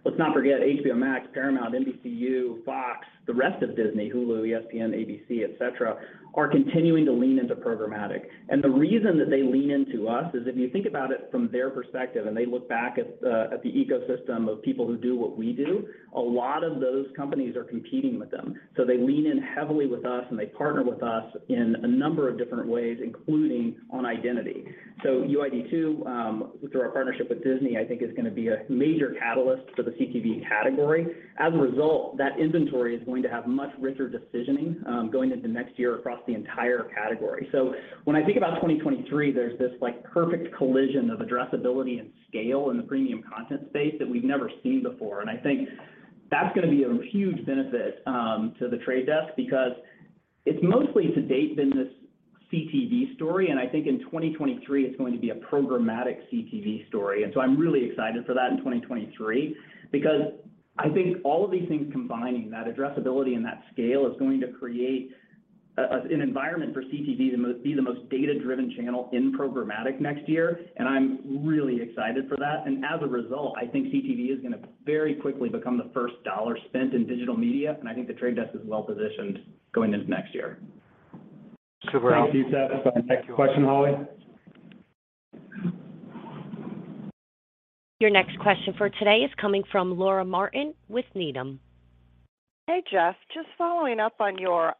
Let's not forget HBO Max, Paramount, NBCU, Fox, the rest of Disney, Hulu, ESPN, ABC, et cetera, are continuing to lean into programmatic. The reason that they lean into us is if you think about it from their perspective, and they look back at the ecosystem of people who do what we do, a lot of those companies are competing with them. They lean in heavily with us, and they partner with us in a number of different ways, including on identity. UID2, through our partnership with Disney, I think is gonna be a major catalyst for the CTV category. As a result, that inventory is going to have much richer decisioning, going into next year across the entire category. When I think about 2023, there's this like perfect collision of addressability and scale in the premium content space that we've never seen before. I think that's gonna be a huge benefit to The Trade Desk because it's mostly to date been this CTV story, and I think in 2023 it's going to be a programmatic CTV story. I'm really excited for that in 2023 because I think all of these things combining, that addressability and that scale, is going to create an environment for CTV to be the most data-driven channel in programmatic next year, and I'm really excited for that. As a result, I think CTV is gonna very quickly become the first dollar spent in digital media, and I think The Trade Desk is well-positioned going into next year. Super helpful. Thanks, Youssef. Next question, Holly. Your next question for today is coming from Laura Martin with Needham. Hey, Jeff. Just following up on your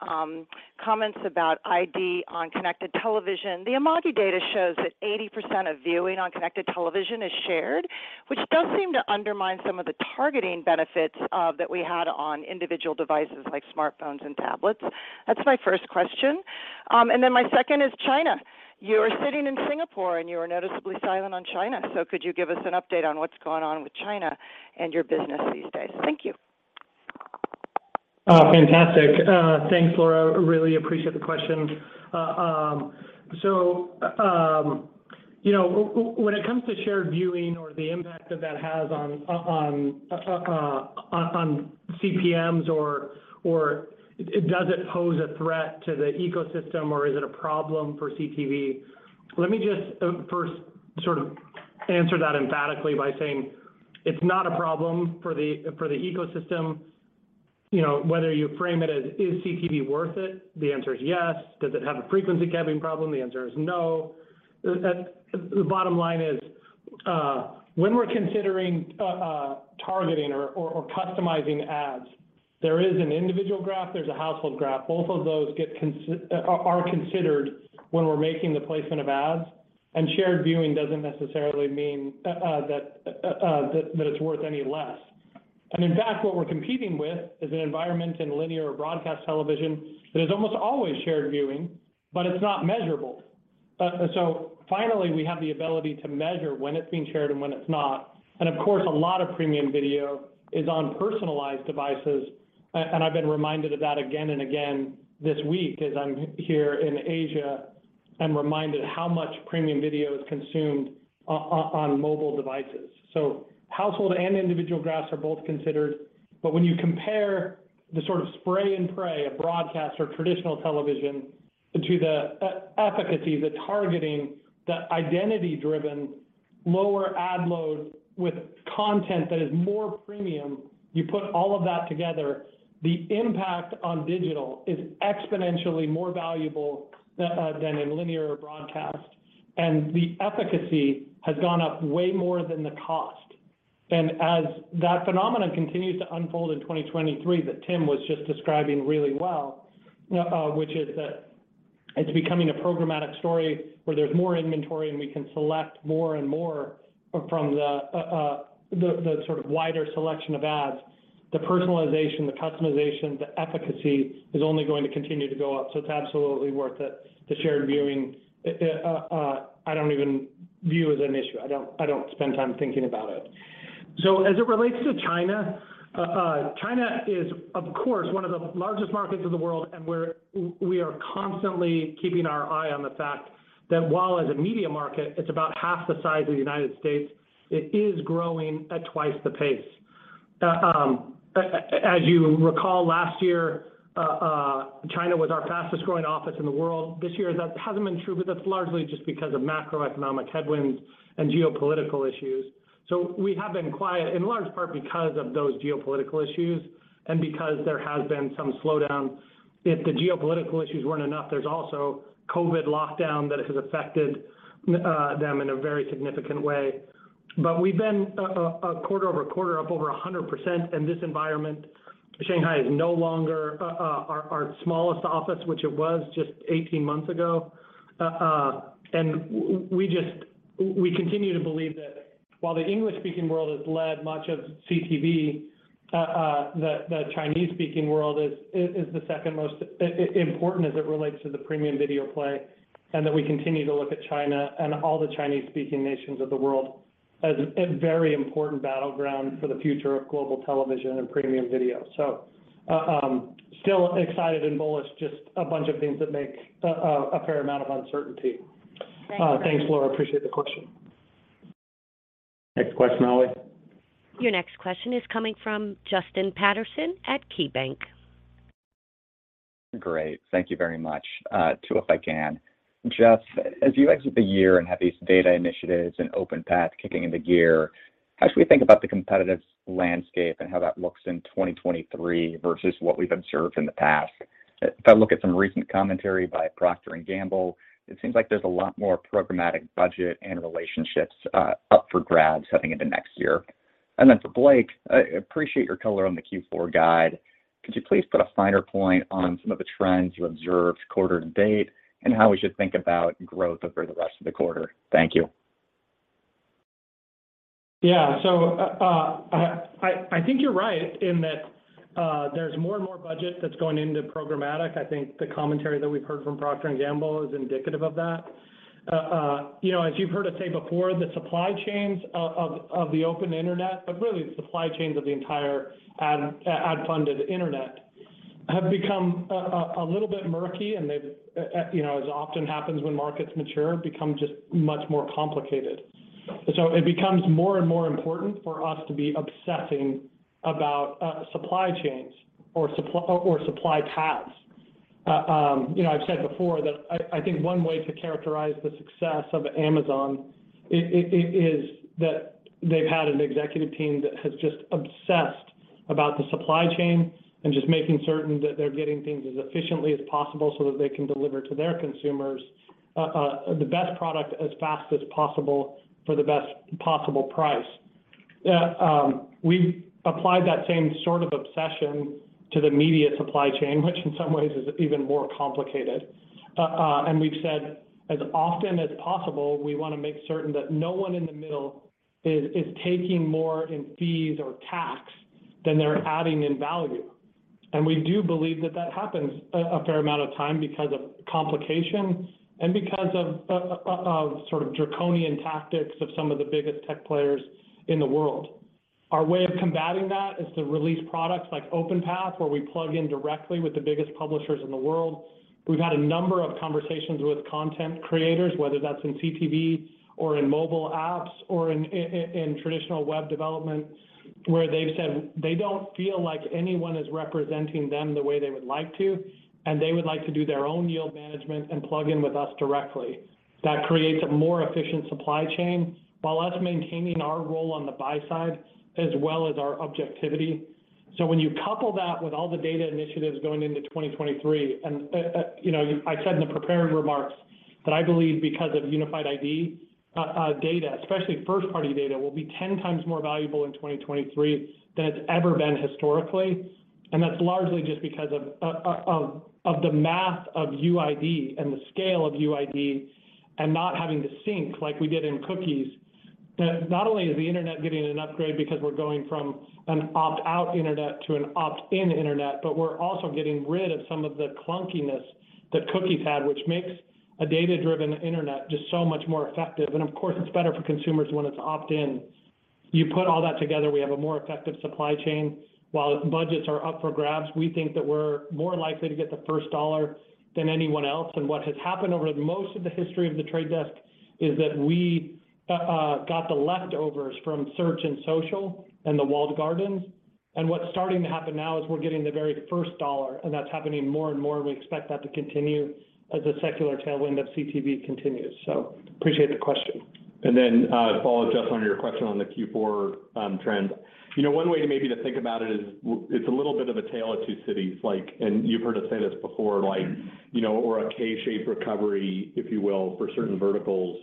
comments about ID on connected television. The Amagi data shows that 80% of viewing on connected television is shared, which does seem to undermine some of the targeting benefits that we had on individual devices like smartphones and tablets. That's my first question. Then my second is China. You are sitting in Singapore, and you are noticeably silent on China. Could you give us an update on what's going on with China and your business these days? Thank you. Fantastic. Thanks, Laura. Really appreciate the questions. So, you know, when it comes to shared viewing or the impact that that has on CPMs or does it pose a threat to the ecosystem, or is it a problem for CTV? Let me just first sort of answer that emphatically by saying it's not a problem for the ecosystem. You know, whether you frame it as is CTV worth it? The answer is yes. Does it have a frequency capping problem? The answer is no. The bottom line is, when we're considering targeting or customizing ads, there is an individual graph, there's a household graph. Both of those are considered when we're making the placement of ads, and shared viewing doesn't necessarily mean that it's worth any less. In fact, what we're competing with is an environment in linear or broadcast television that is almost always shared viewing, but it's not measurable. Finally, we have the ability to measure when it's being shared and when it's not. Of course, a lot of premium video is on personalized devices. I've been reminded of that again and again this week as I'm here in Asia and reminded how much premium video is consumed on mobile devices. Household and individual graphs are both considered. When you compare the sort of spray and pray of broadcast or traditional television to the efficacy, the targeting, the identity-driven lower ad load with content that is more premium, you put all of that together, the impact on digital is exponentially more valuable than in linear broadcast. The efficacy has gone up way more than the cost. As that phenomenon continues to unfold in 2023 that Tim was just describing really well, which is that it's becoming a programmatic story where there's more inventory and we can select more and more from the sort of wider selection of ads, the personalization, the customization, the efficacy is only going to continue to go up. It's absolutely worth it. The shared viewing, I don't even view as an issue. I don't spend time thinking about it. As it relates to China is, of course, one of the largest markets in the world. We are constantly keeping our eye on the fact that while as a media market, it's about half the size of the United States, it is growing at twice the pace. As you recall, last year, China was our fastest growing office in the world. This year, that hasn't been true, but that's largely just because of macroeconomic headwinds and geopolitical issues. We have been quiet in large part because of those geopolitical issues and because there has been some slowdown. If the geopolitical issues weren't enough, there's also COVID lockdown that has affected them in a very significant way. We've been quarter-over-quarter up over 100%. In this environment, Shanghai is no longer our smallest office, which it was just 18 months ago. We just, we continue to believe that while the English-speaking world has led much of CTV, the Chinese-speaking world is the second most important as it relates to the premium video play and that we continue to look at China and all the Chinese-speaking nations of the world as a very important battleground for the future of global television and premium video. Still excited and bullish, just a bunch of things that make a fair amount of uncertainty. Thanks, Blake. Thanks, Laura. Appreciate the question. Next question, Holly. Your next question is coming from Justin Patterson at KeyBanc. Great. Thank you very much. Too, if I can. Jeff, as you exit the year and have these data initiatives and OpenPath kicking into gear, how should we think about the competitive landscape and how that looks in 2023 versus what we've observed in the past? If I look at some recent commentary by Procter & Gamble, it seems like there's a lot more programmatic budget and relationships up for grabs heading into next year. Then for Blake, I appreciate your color on the Q4 guide. Could you please put a finer point on some of the trends you observed quarter to date and how we should think about growth over the rest of the quarter? Thank you. Yeah. I think you're right in that there's more and more budget that's going into programmatic. I think the commentary that we've heard from Procter & Gamble is indicative of that. You know, as you've heard us say before, the supply chains of the open internet, but really the supply chains of the entire ad-funded internet have become a little bit murky and they've, you know, as often happens when markets mature, become just much more complicated. It becomes more and more important for us to be obsessing about supply chains or supply paths. You know, I've said before that I think one way to characterize the success of Amazon is that they've had an executive team that has just obsessed about the supply chain and just making certain that they're getting things as efficiently as possible so that they can deliver to their consumers the best product as fast as possible for the best possible price. We've applied that same sort of obsession to the media supply chain, which in some ways is even more complicated. We've said as often as possible, we want to make certain that no one in the middle is taking more in fees or tax than they're adding in value. We do believe that that happens a fair amount of time because of complication and because of sort of draconian tactics of some of the biggest tech players in the world. Our way of combating that is to release products like OpenPath, where we plug in directly with the biggest publishers in the world. We've had a number of conversations with content creators, whether that's in CTV or in mobile apps or in traditional web development, where they've said they don't feel like anyone is representing them the way they would like to, and they would like to do their own yield management and plug in with us directly. That creates a more efficient supply chain while us maintaining our role on the buy side as well as our objectivity. When you couple that with all the data initiatives going into 2023, and I said in the prepared remarks that I believe because of Unified ID data, especially first-party data, will be 10 times more valuable in 2023 than it's ever been historically. That's largely just because of the math of UID and the scale of UID and not having to sync like we did in cookies. Not only is the internet getting an upgrade because we're going from an opt-out internet to an opt-in internet, but we're also getting rid of some of the clunkiness that cookies had, which makes a data-driven internet just so much more effective. Of course, it's better for consumers when it's opt-in. You put all that together, we have a more effective supply chain. While budgets are up for grabs, we think that we're more likely to get the first dollar than anyone else. What has happened over most of the history of The Trade Desk is that we got the leftovers from search and social and the walled gardens. What's starting to happen now is we're getting the very first dollar, and that's happening more and more. We expect that to continue as a secular tailwind of CTV continues. Appreciate the question. To follow just onto your question on the Q4 trend. You know, one way to maybe to think about it is it's a little bit of a tale of two cities. Like, you've heard us say this before, like, you know, or a K-shaped recovery, if you will, for certain verticals.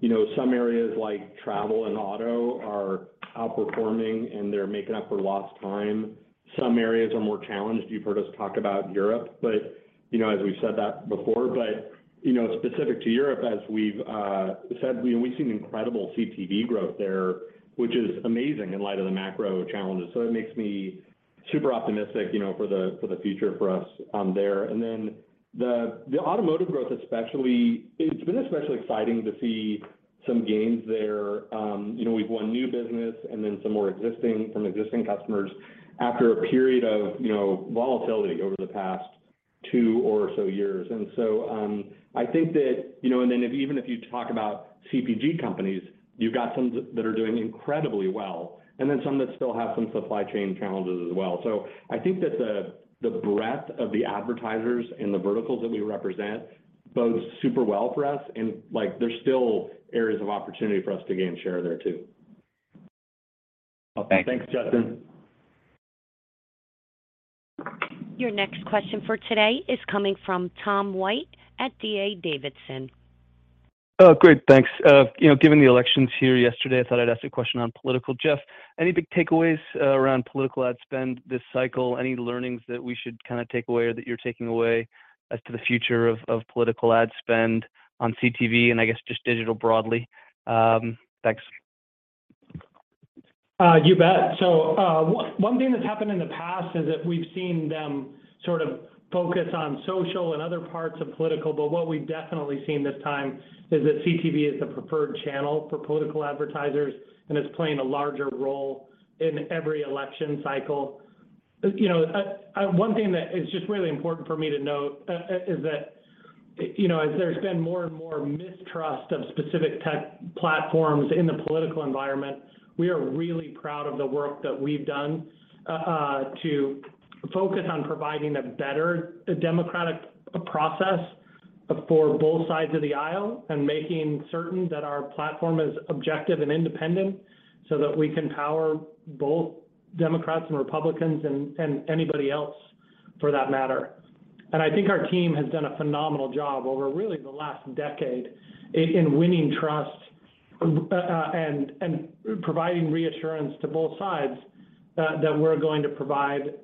You know, some areas like travel and auto are outperforming, and they're making up for lost time. Some areas are more challenged. You've heard us talk about Europe, you know, as we've said that before. You know, specific to Europe, as we've said, we've seen incredible CTV growth there, which is amazing in light of the macro challenges. It makes me super optimistic, you know, for the future for us there. The automotive growth especially, it's been especially exciting to see some gains there. You know, we've won new business and then some more from existing customers after a period of, you know, volatility over the past two or so years. I think that, you know, even if you talk about CPG companies, you've got some that are doing incredibly well and then some that still have some supply chain challenges as well. I think that the breadth of the advertisers and the verticals that we represent bodes super well for us. Like, there's still areas of opportunity for us to gain share there too. Well, thanks. Thanks, Justin. Your next question for today is coming from Tom White at D.A. Davidson. Oh, great. Thanks. You know, given the elections here yesterday, I thought I'd ask a question on political. Jeff, any big takeaways around political ad spend this cycle? Any learnings that we should kind of take away or that you're taking away as to the future of political ad spend on CTV and I guess just digital broadly? Thanks. You bet. One thing that's happened in the past is that we've seen them sort of focus on social and other parts of political. What we've definitely seen this time is that CTV is the preferred channel for political advertisers, and it's playing a larger role in every election cycle. You know, one thing that is just really important for me to note is that, you know, as there's been more and more mistrust of specific tech platforms in the political environment, we are really proud of the work that we've done to focus on providing a better democratic process for both sides of the aisle and making certain that our platform is objective and independent so that we can power both Democrats and Republicans and anybody else for that matter. I think our team has done a phenomenal job over really the last decade in winning trust, and providing reassurance to both sides that we're going to provide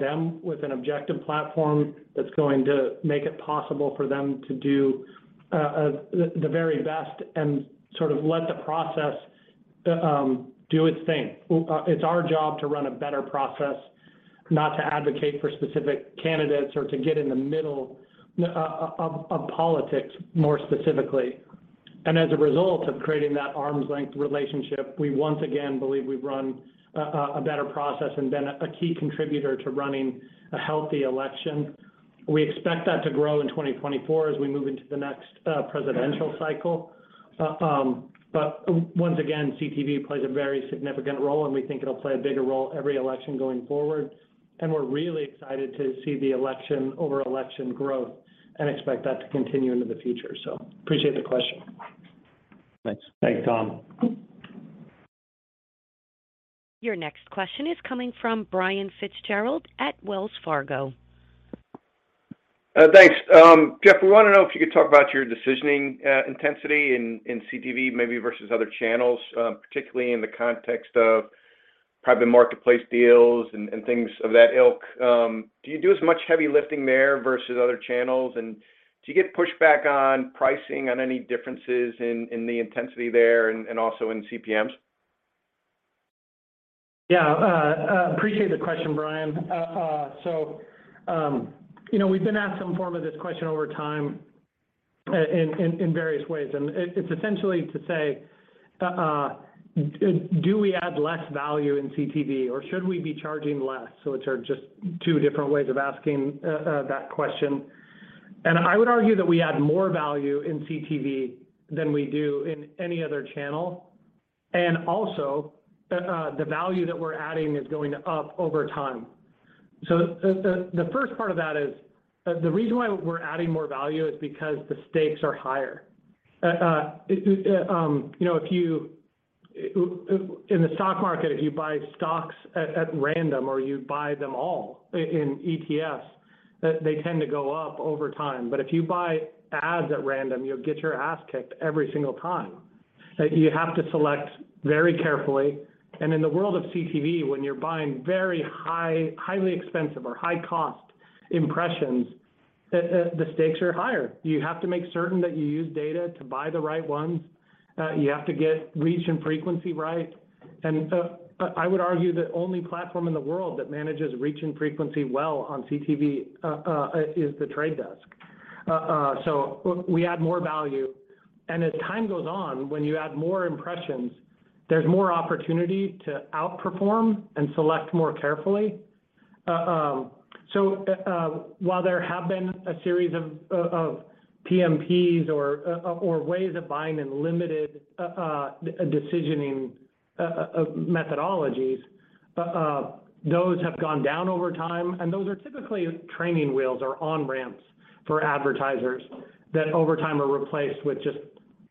them with an objective platform that's going to make it possible for them to do the very best and sort of let the process do its thing. It's our job to run a better process, not to advocate for specific candidates or to get in the middle of politics more specifically. As a result of creating that arm's length relationship, we once again believe we've run a better process and been a key contributor to running a healthy election. We expect that to grow in 2024 as we move into the next presidential cycle. Once again, CTV plays a very significant role, and we think it'll play a bigger role every election going forward. We're really excited to see the election over election growth and expect that to continue into the future. Appreciate the question. Thanks. Thanks, Tom. Your next question is coming from Brian Fitzgerald at Wells Fargo. Jeff, we wanna know if you could talk about your decisioning intensity in CTV maybe versus other channels, particularly in the context of private marketplace deals and things of that ilk. Do you do as much heavy lifting there versus other channels? Do you get pushback on pricing on any differences in the intensity there and also in CPMs? Yeah, appreciate the question, Brian. You know, we've been asked some form of this question over time in various ways, and it's essentially to say, do we add less value in CTV or should we be charging less? Which are just two different ways of asking that question. I would argue that we add more value in CTV than we do in any other channel. Also, the value that we're adding is going up over time. The first part of that is the reason why we're adding more value is because the stakes are higher. You know, in the stock market, if you buy stocks at random or you buy them all in ETFs, they tend to go up over time. If you buy ads at random, you'll get your ass kicked every single time. You have to select very carefully. In the world of CTV, when you're buying very high, highly expensive or high-cost impressions, the stakes are higher. You have to make certain that you use data to buy the right ones. You have to get reach and frequency right. I would argue the only platform in the world that manages reach and frequency well on CTV is The Trade Desk. We add more value. As time goes on, when you add more impressions, there's more opportunity to outperform and select more carefully. While there have been a series of PMPs or ways of buying in limited decisioning methodologies, those have gone down over time, and those are typically training wheels or on-ramps for advertisers that over time are replaced with just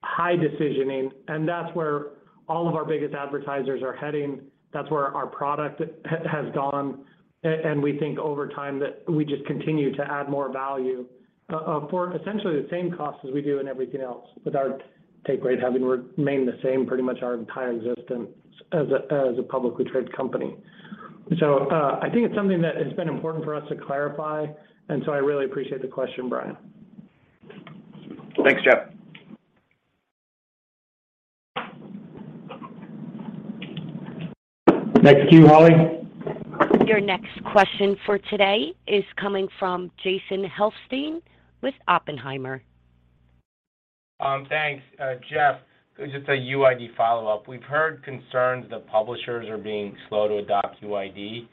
high decisioning. That's where all of our biggest advertisers are heading. That's where our product has gone. We think over time that we just continue to add more value for essentially the same cost as we do in everything else with our take rate having remained the same pretty much our entire existence as a publicly traded company. I think it's something that has been important for us to clarify, and so I really appreciate the question, Brian. Thanks, Jeff. Next question, Holly. Your next question for today is coming from Jason Helfstein with Oppenheimer. Thanks. Jeff, just a UID follow-up. We've heard concerns that publishers are being slow to adopt UID.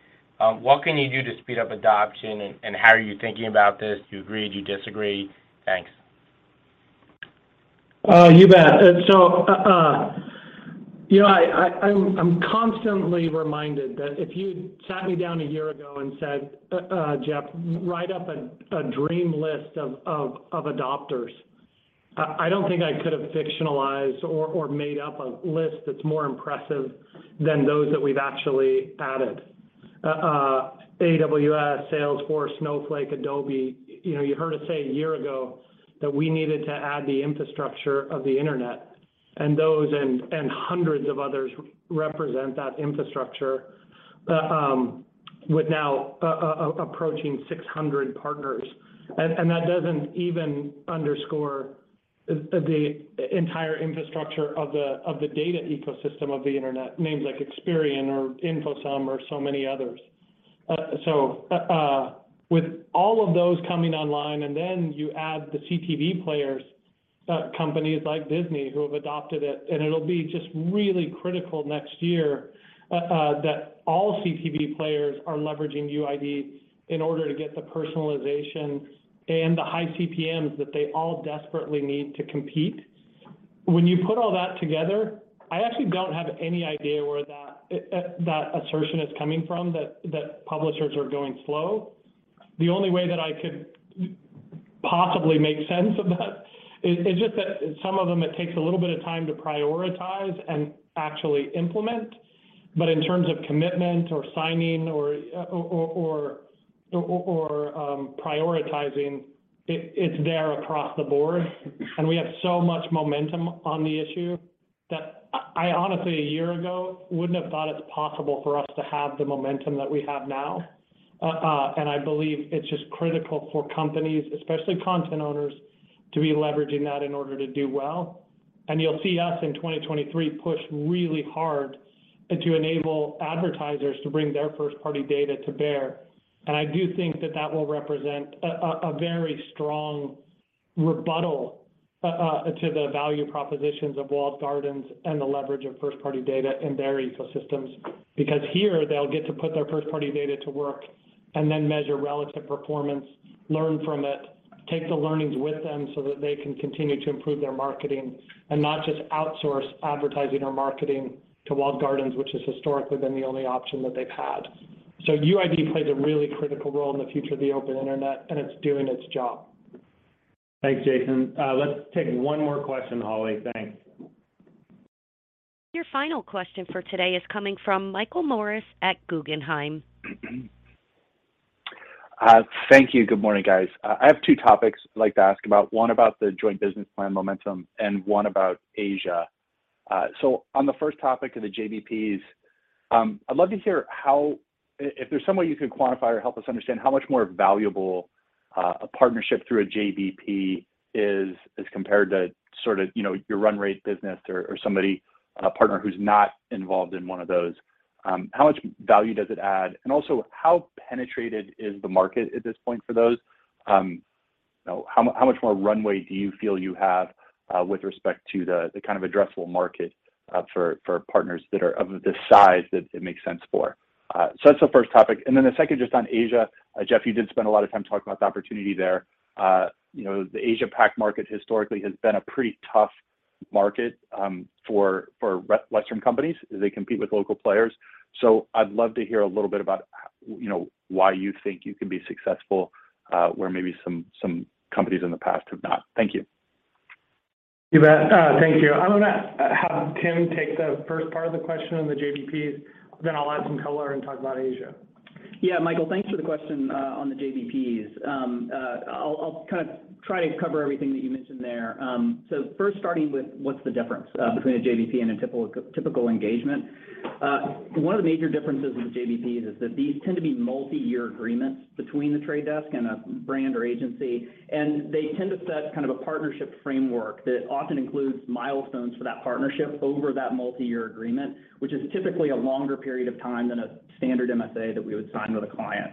What can you do to speed up adoption, and how are you thinking about this? Do you agree, do you disagree? Thanks. You bet. You know, I'm constantly reminded that if you sat me down a year ago and said, "Jeff, write up a dream list of adopters," I don't think I could have fictionalized or made up a list that's more impressive than those that we've actually added. AWS, Salesforce, Snowflake, Adobe. You know, you heard us say a year ago that we needed to add the infrastructure of the internet, and those and hundreds of others represent that infrastructure, with now approaching 600 partners. That doesn't even underscore the entire infrastructure of the data ecosystem of the internet, names like Experian or InfoSum or so many others. With all of those coming online, and then you add the CTV players, companies like Disney who have adopted it, and it'll be just really critical next year that all CTV players are leveraging UID in order to get the personalization and the high CPMs that they all desperately need to compete. When you put all that together, I actually don't have any idea where that assertion is coming from that publishers are going slow. The only way that I could possibly make sense of that is just that some of them, it takes a little bit of time to prioritize and actually implement. In terms of commitment or signing or prioritizing, it's there across the board. We have so much momentum on the issue that I honestly, a year ago, wouldn't have thought it possible for us to have the momentum that we have now. I believe it's just critical for companies, especially content owners, to be leveraging that in order to do well. You'll see us in 2023 push really hard to enable advertisers to bring their first-party data to bear. I do think that that will represent a very strong rebuttal to the value propositions of walled gardens and the leverage of first-party data in their ecosystems. Because here, they'll get to put their first-party data to work and then measure relative performance, learn from it, take the learnings with them so that they can continue to improve their marketing and not just outsource advertising or marketing to walled gardens, which has historically been the only option that they've had. UID plays a really critical role in the future of the open internet, and it's doing its job. Thanks, Jason. Let's take one more question, Holly. Thanks. Your final question for today is coming from Michael Morris at Guggenheim. Thank you. Good morning, guys. I have two topics I'd like to ask about, one about the joint business plan momentum and one about Asia. On the first topic of the JBPs, I'd love to hear how, if there's some way you could quantify or help us understand how much more valuable a partnership through a JBP is as compared to sort of, you know, your run rate business or somebody, a partner who's not involved in one of those. How much value does it add? And also, how penetrated is the market at this point for those? You know, how much more runway do you feel you have with respect to the kind of addressable market for partners that are of this size that it makes sense for? That's the first topic. The second just on Asia. Jeff, you did spend a lot of time talking about the opportunity there. You know, the Asia PAC market historically has been a pretty tough market for Western companies as they compete with local players. I'd love to hear a little bit about, you know, why you think you can be successful, where maybe some companies in the past have not. Thank you. You bet. Thank you. I'm gonna have Tim take the first part of the question on the JBPs, then I'll add some color and talk about Asia. Yeah, Michael, thanks for the question on the JBPs. I'll kind of try to cover everything that you mentioned there. First starting with what's the difference between a JBP and a typical engagement. One of the major differences with JBPs is that these tend to be multi-year agreements between The Trade Desk and a brand or agency, and they tend to set kind of a partnership framework that often includes milestones for that partnership over that multi-year agreement, which is typically a longer period of time than a standard MSA that we would sign with a client.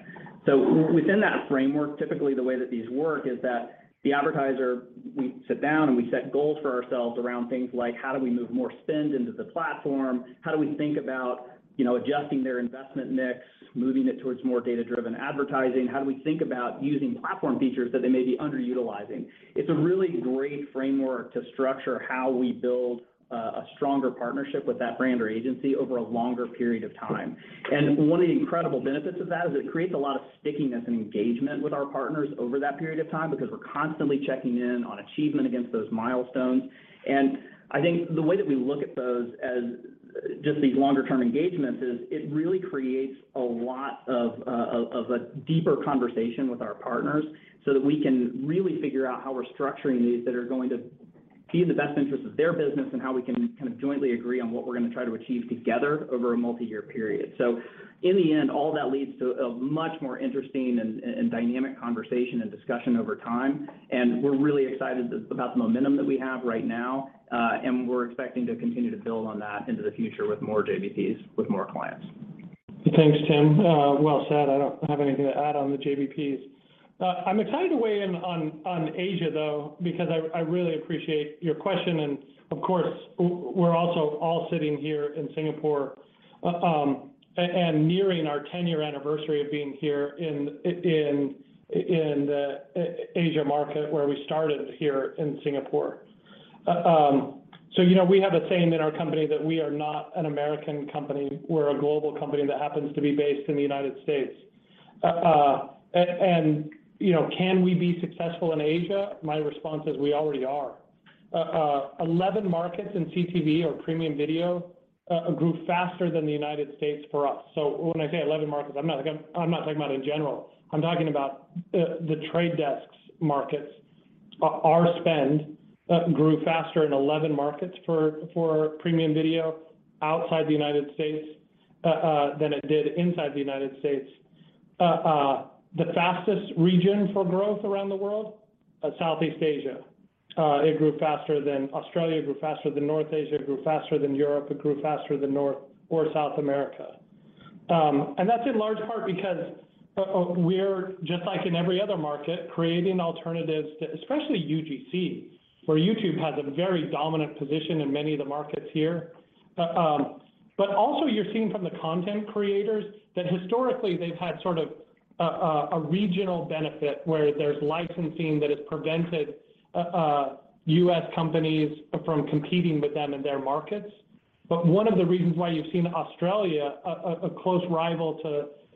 Within that framework, typically the way that these work is that the advertiser, we sit down and we set goals for ourselves around things like how do we move more spend into the platform? How do we think about, you know, adjusting their investment mix, moving it towards more data-driven advertising? How do we think about using platform features that they may be underutilizing? It's a really great framework to structure how we build a stronger partnership with that brand or agency over a longer period of time. One of the incredible benefits of that is it creates a lot of stickiness and engagement with our partners over that period of time, because we're constantly checking in on achievement against those milestones. I think the way that we look at those as just these longer term engagements is it really creates a lot of a deeper conversation with our partners so that we can really figure out how we're structuring these that are going to be in the best interest of their business and how we can kind of jointly agree on what we're gonna try to achieve together over a multi-year period. In the end, all that leads to a much more interesting and dynamic conversation and discussion over time. We're really excited about the momentum that we have right now, and we're expecting to continue to build on that into the future with more JBPs with more clients. Thanks, Tim. Well said. I don't have anything to add on the JBPs. I'm excited to weigh in on Asia, though, because I really appreciate your question. Of course, we're also all sitting here in Singapore and nearing our 10-year anniversary of being here in the Asia market, where we started here in Singapore. You know, we have a saying in our company that we are not an American company. We're a global company that happens to be based in the United States. You know, can we be successful in Asia? My response is we already are. Eleven markets in CTV or premium video grew faster than the United States for us. When I say 11 markets, I'm not like, I'm not talking about in general. I'm talking about The Trade Desk's markets. Our spend grew faster in 11 markets for premium video outside the United States than it did inside the United States. The fastest region for growth around the world, Southeast Asia. It grew faster than Australia. It grew faster than North Asia. It grew faster than Europe. It grew faster than North or South America. That's in large part because we're just like in every other market, creating alternatives to, especially UGC, where YouTube has a very dominant position in many of the markets here. But also you're seeing from the content creators that historically they've had sort of a regional benefit where there's licensing that has prevented U.S. companies from competing with them in their markets. One of the reasons why you've seen Australia as a close rival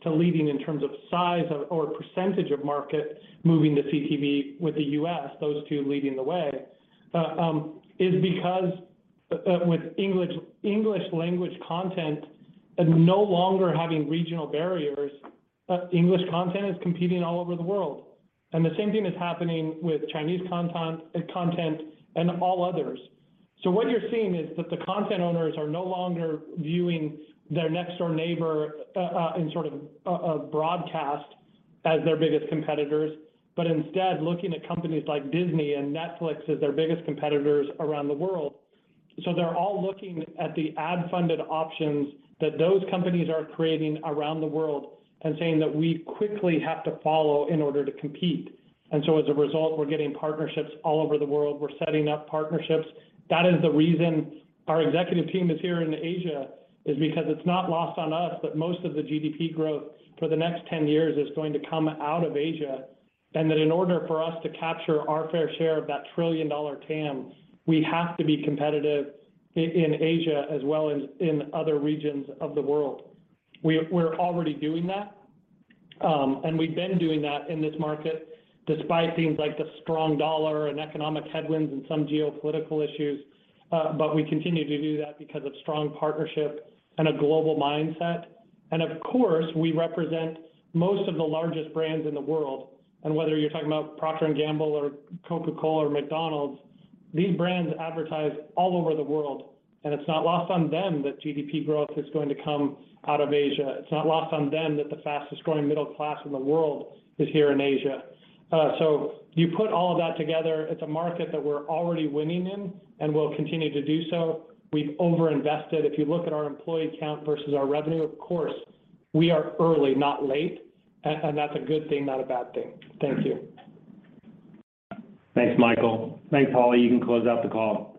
to leading in terms of size or percentage of market moving to CTV with the U.S., those two leading the way, is because, with English language content no longer having regional barriers, English content is competing all over the world. The same thing is happening with Chinese content and all others. What you're seeing is that the content owners are no longer viewing their next door neighbor in sort of a broadcast as their biggest competitors. Instead, looking at companies like Disney and Netflix as their biggest competitors around the world. They're all looking at the ad-funded options that those companies are creating around the world and saying that we quickly have to follow in order to compete. As a result, we're getting partnerships all over the world. We're setting up partnerships. That is the reason our executive team is here in Asia, is because it's not lost on us that most of the GDP growth for the next 10 years is going to come out of Asia. That in order for us to capture our fair share of that trillion-dollar TAM, we have to be competitive in Asia as well as in other regions of the world. We're already doing that, and we've been doing that in this market despite things like the strong dollar and economic headwinds and some geopolitical issues. We continue to do that because of strong partnership and a global mindset. Of course, we represent most of the largest brands in the world. Whether you're talking about Procter & Gamble or Coca-Cola or McDonald's, these brands advertise all over the world, and it's not lost on them that GDP growth is going to come out of Asia. It's not lost on them that the fastest-growing middle class in the world is here in Asia. You put all of that together, it's a market that we're already winning in and will continue to do so. We've over-invested. If you look at our employee count versus our revenue, of course, we are early, not late. And that's a good thing, not a bad thing. Thank you. Thanks, Michael. Thanks, Holly. You can close out the call.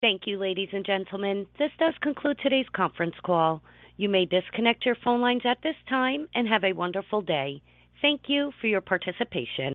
Thank you, ladies and gentlemen. This does conclude today's Conference Call. You may disconnect your phone lines at this time and have a wonderful day. Thank you for your participation.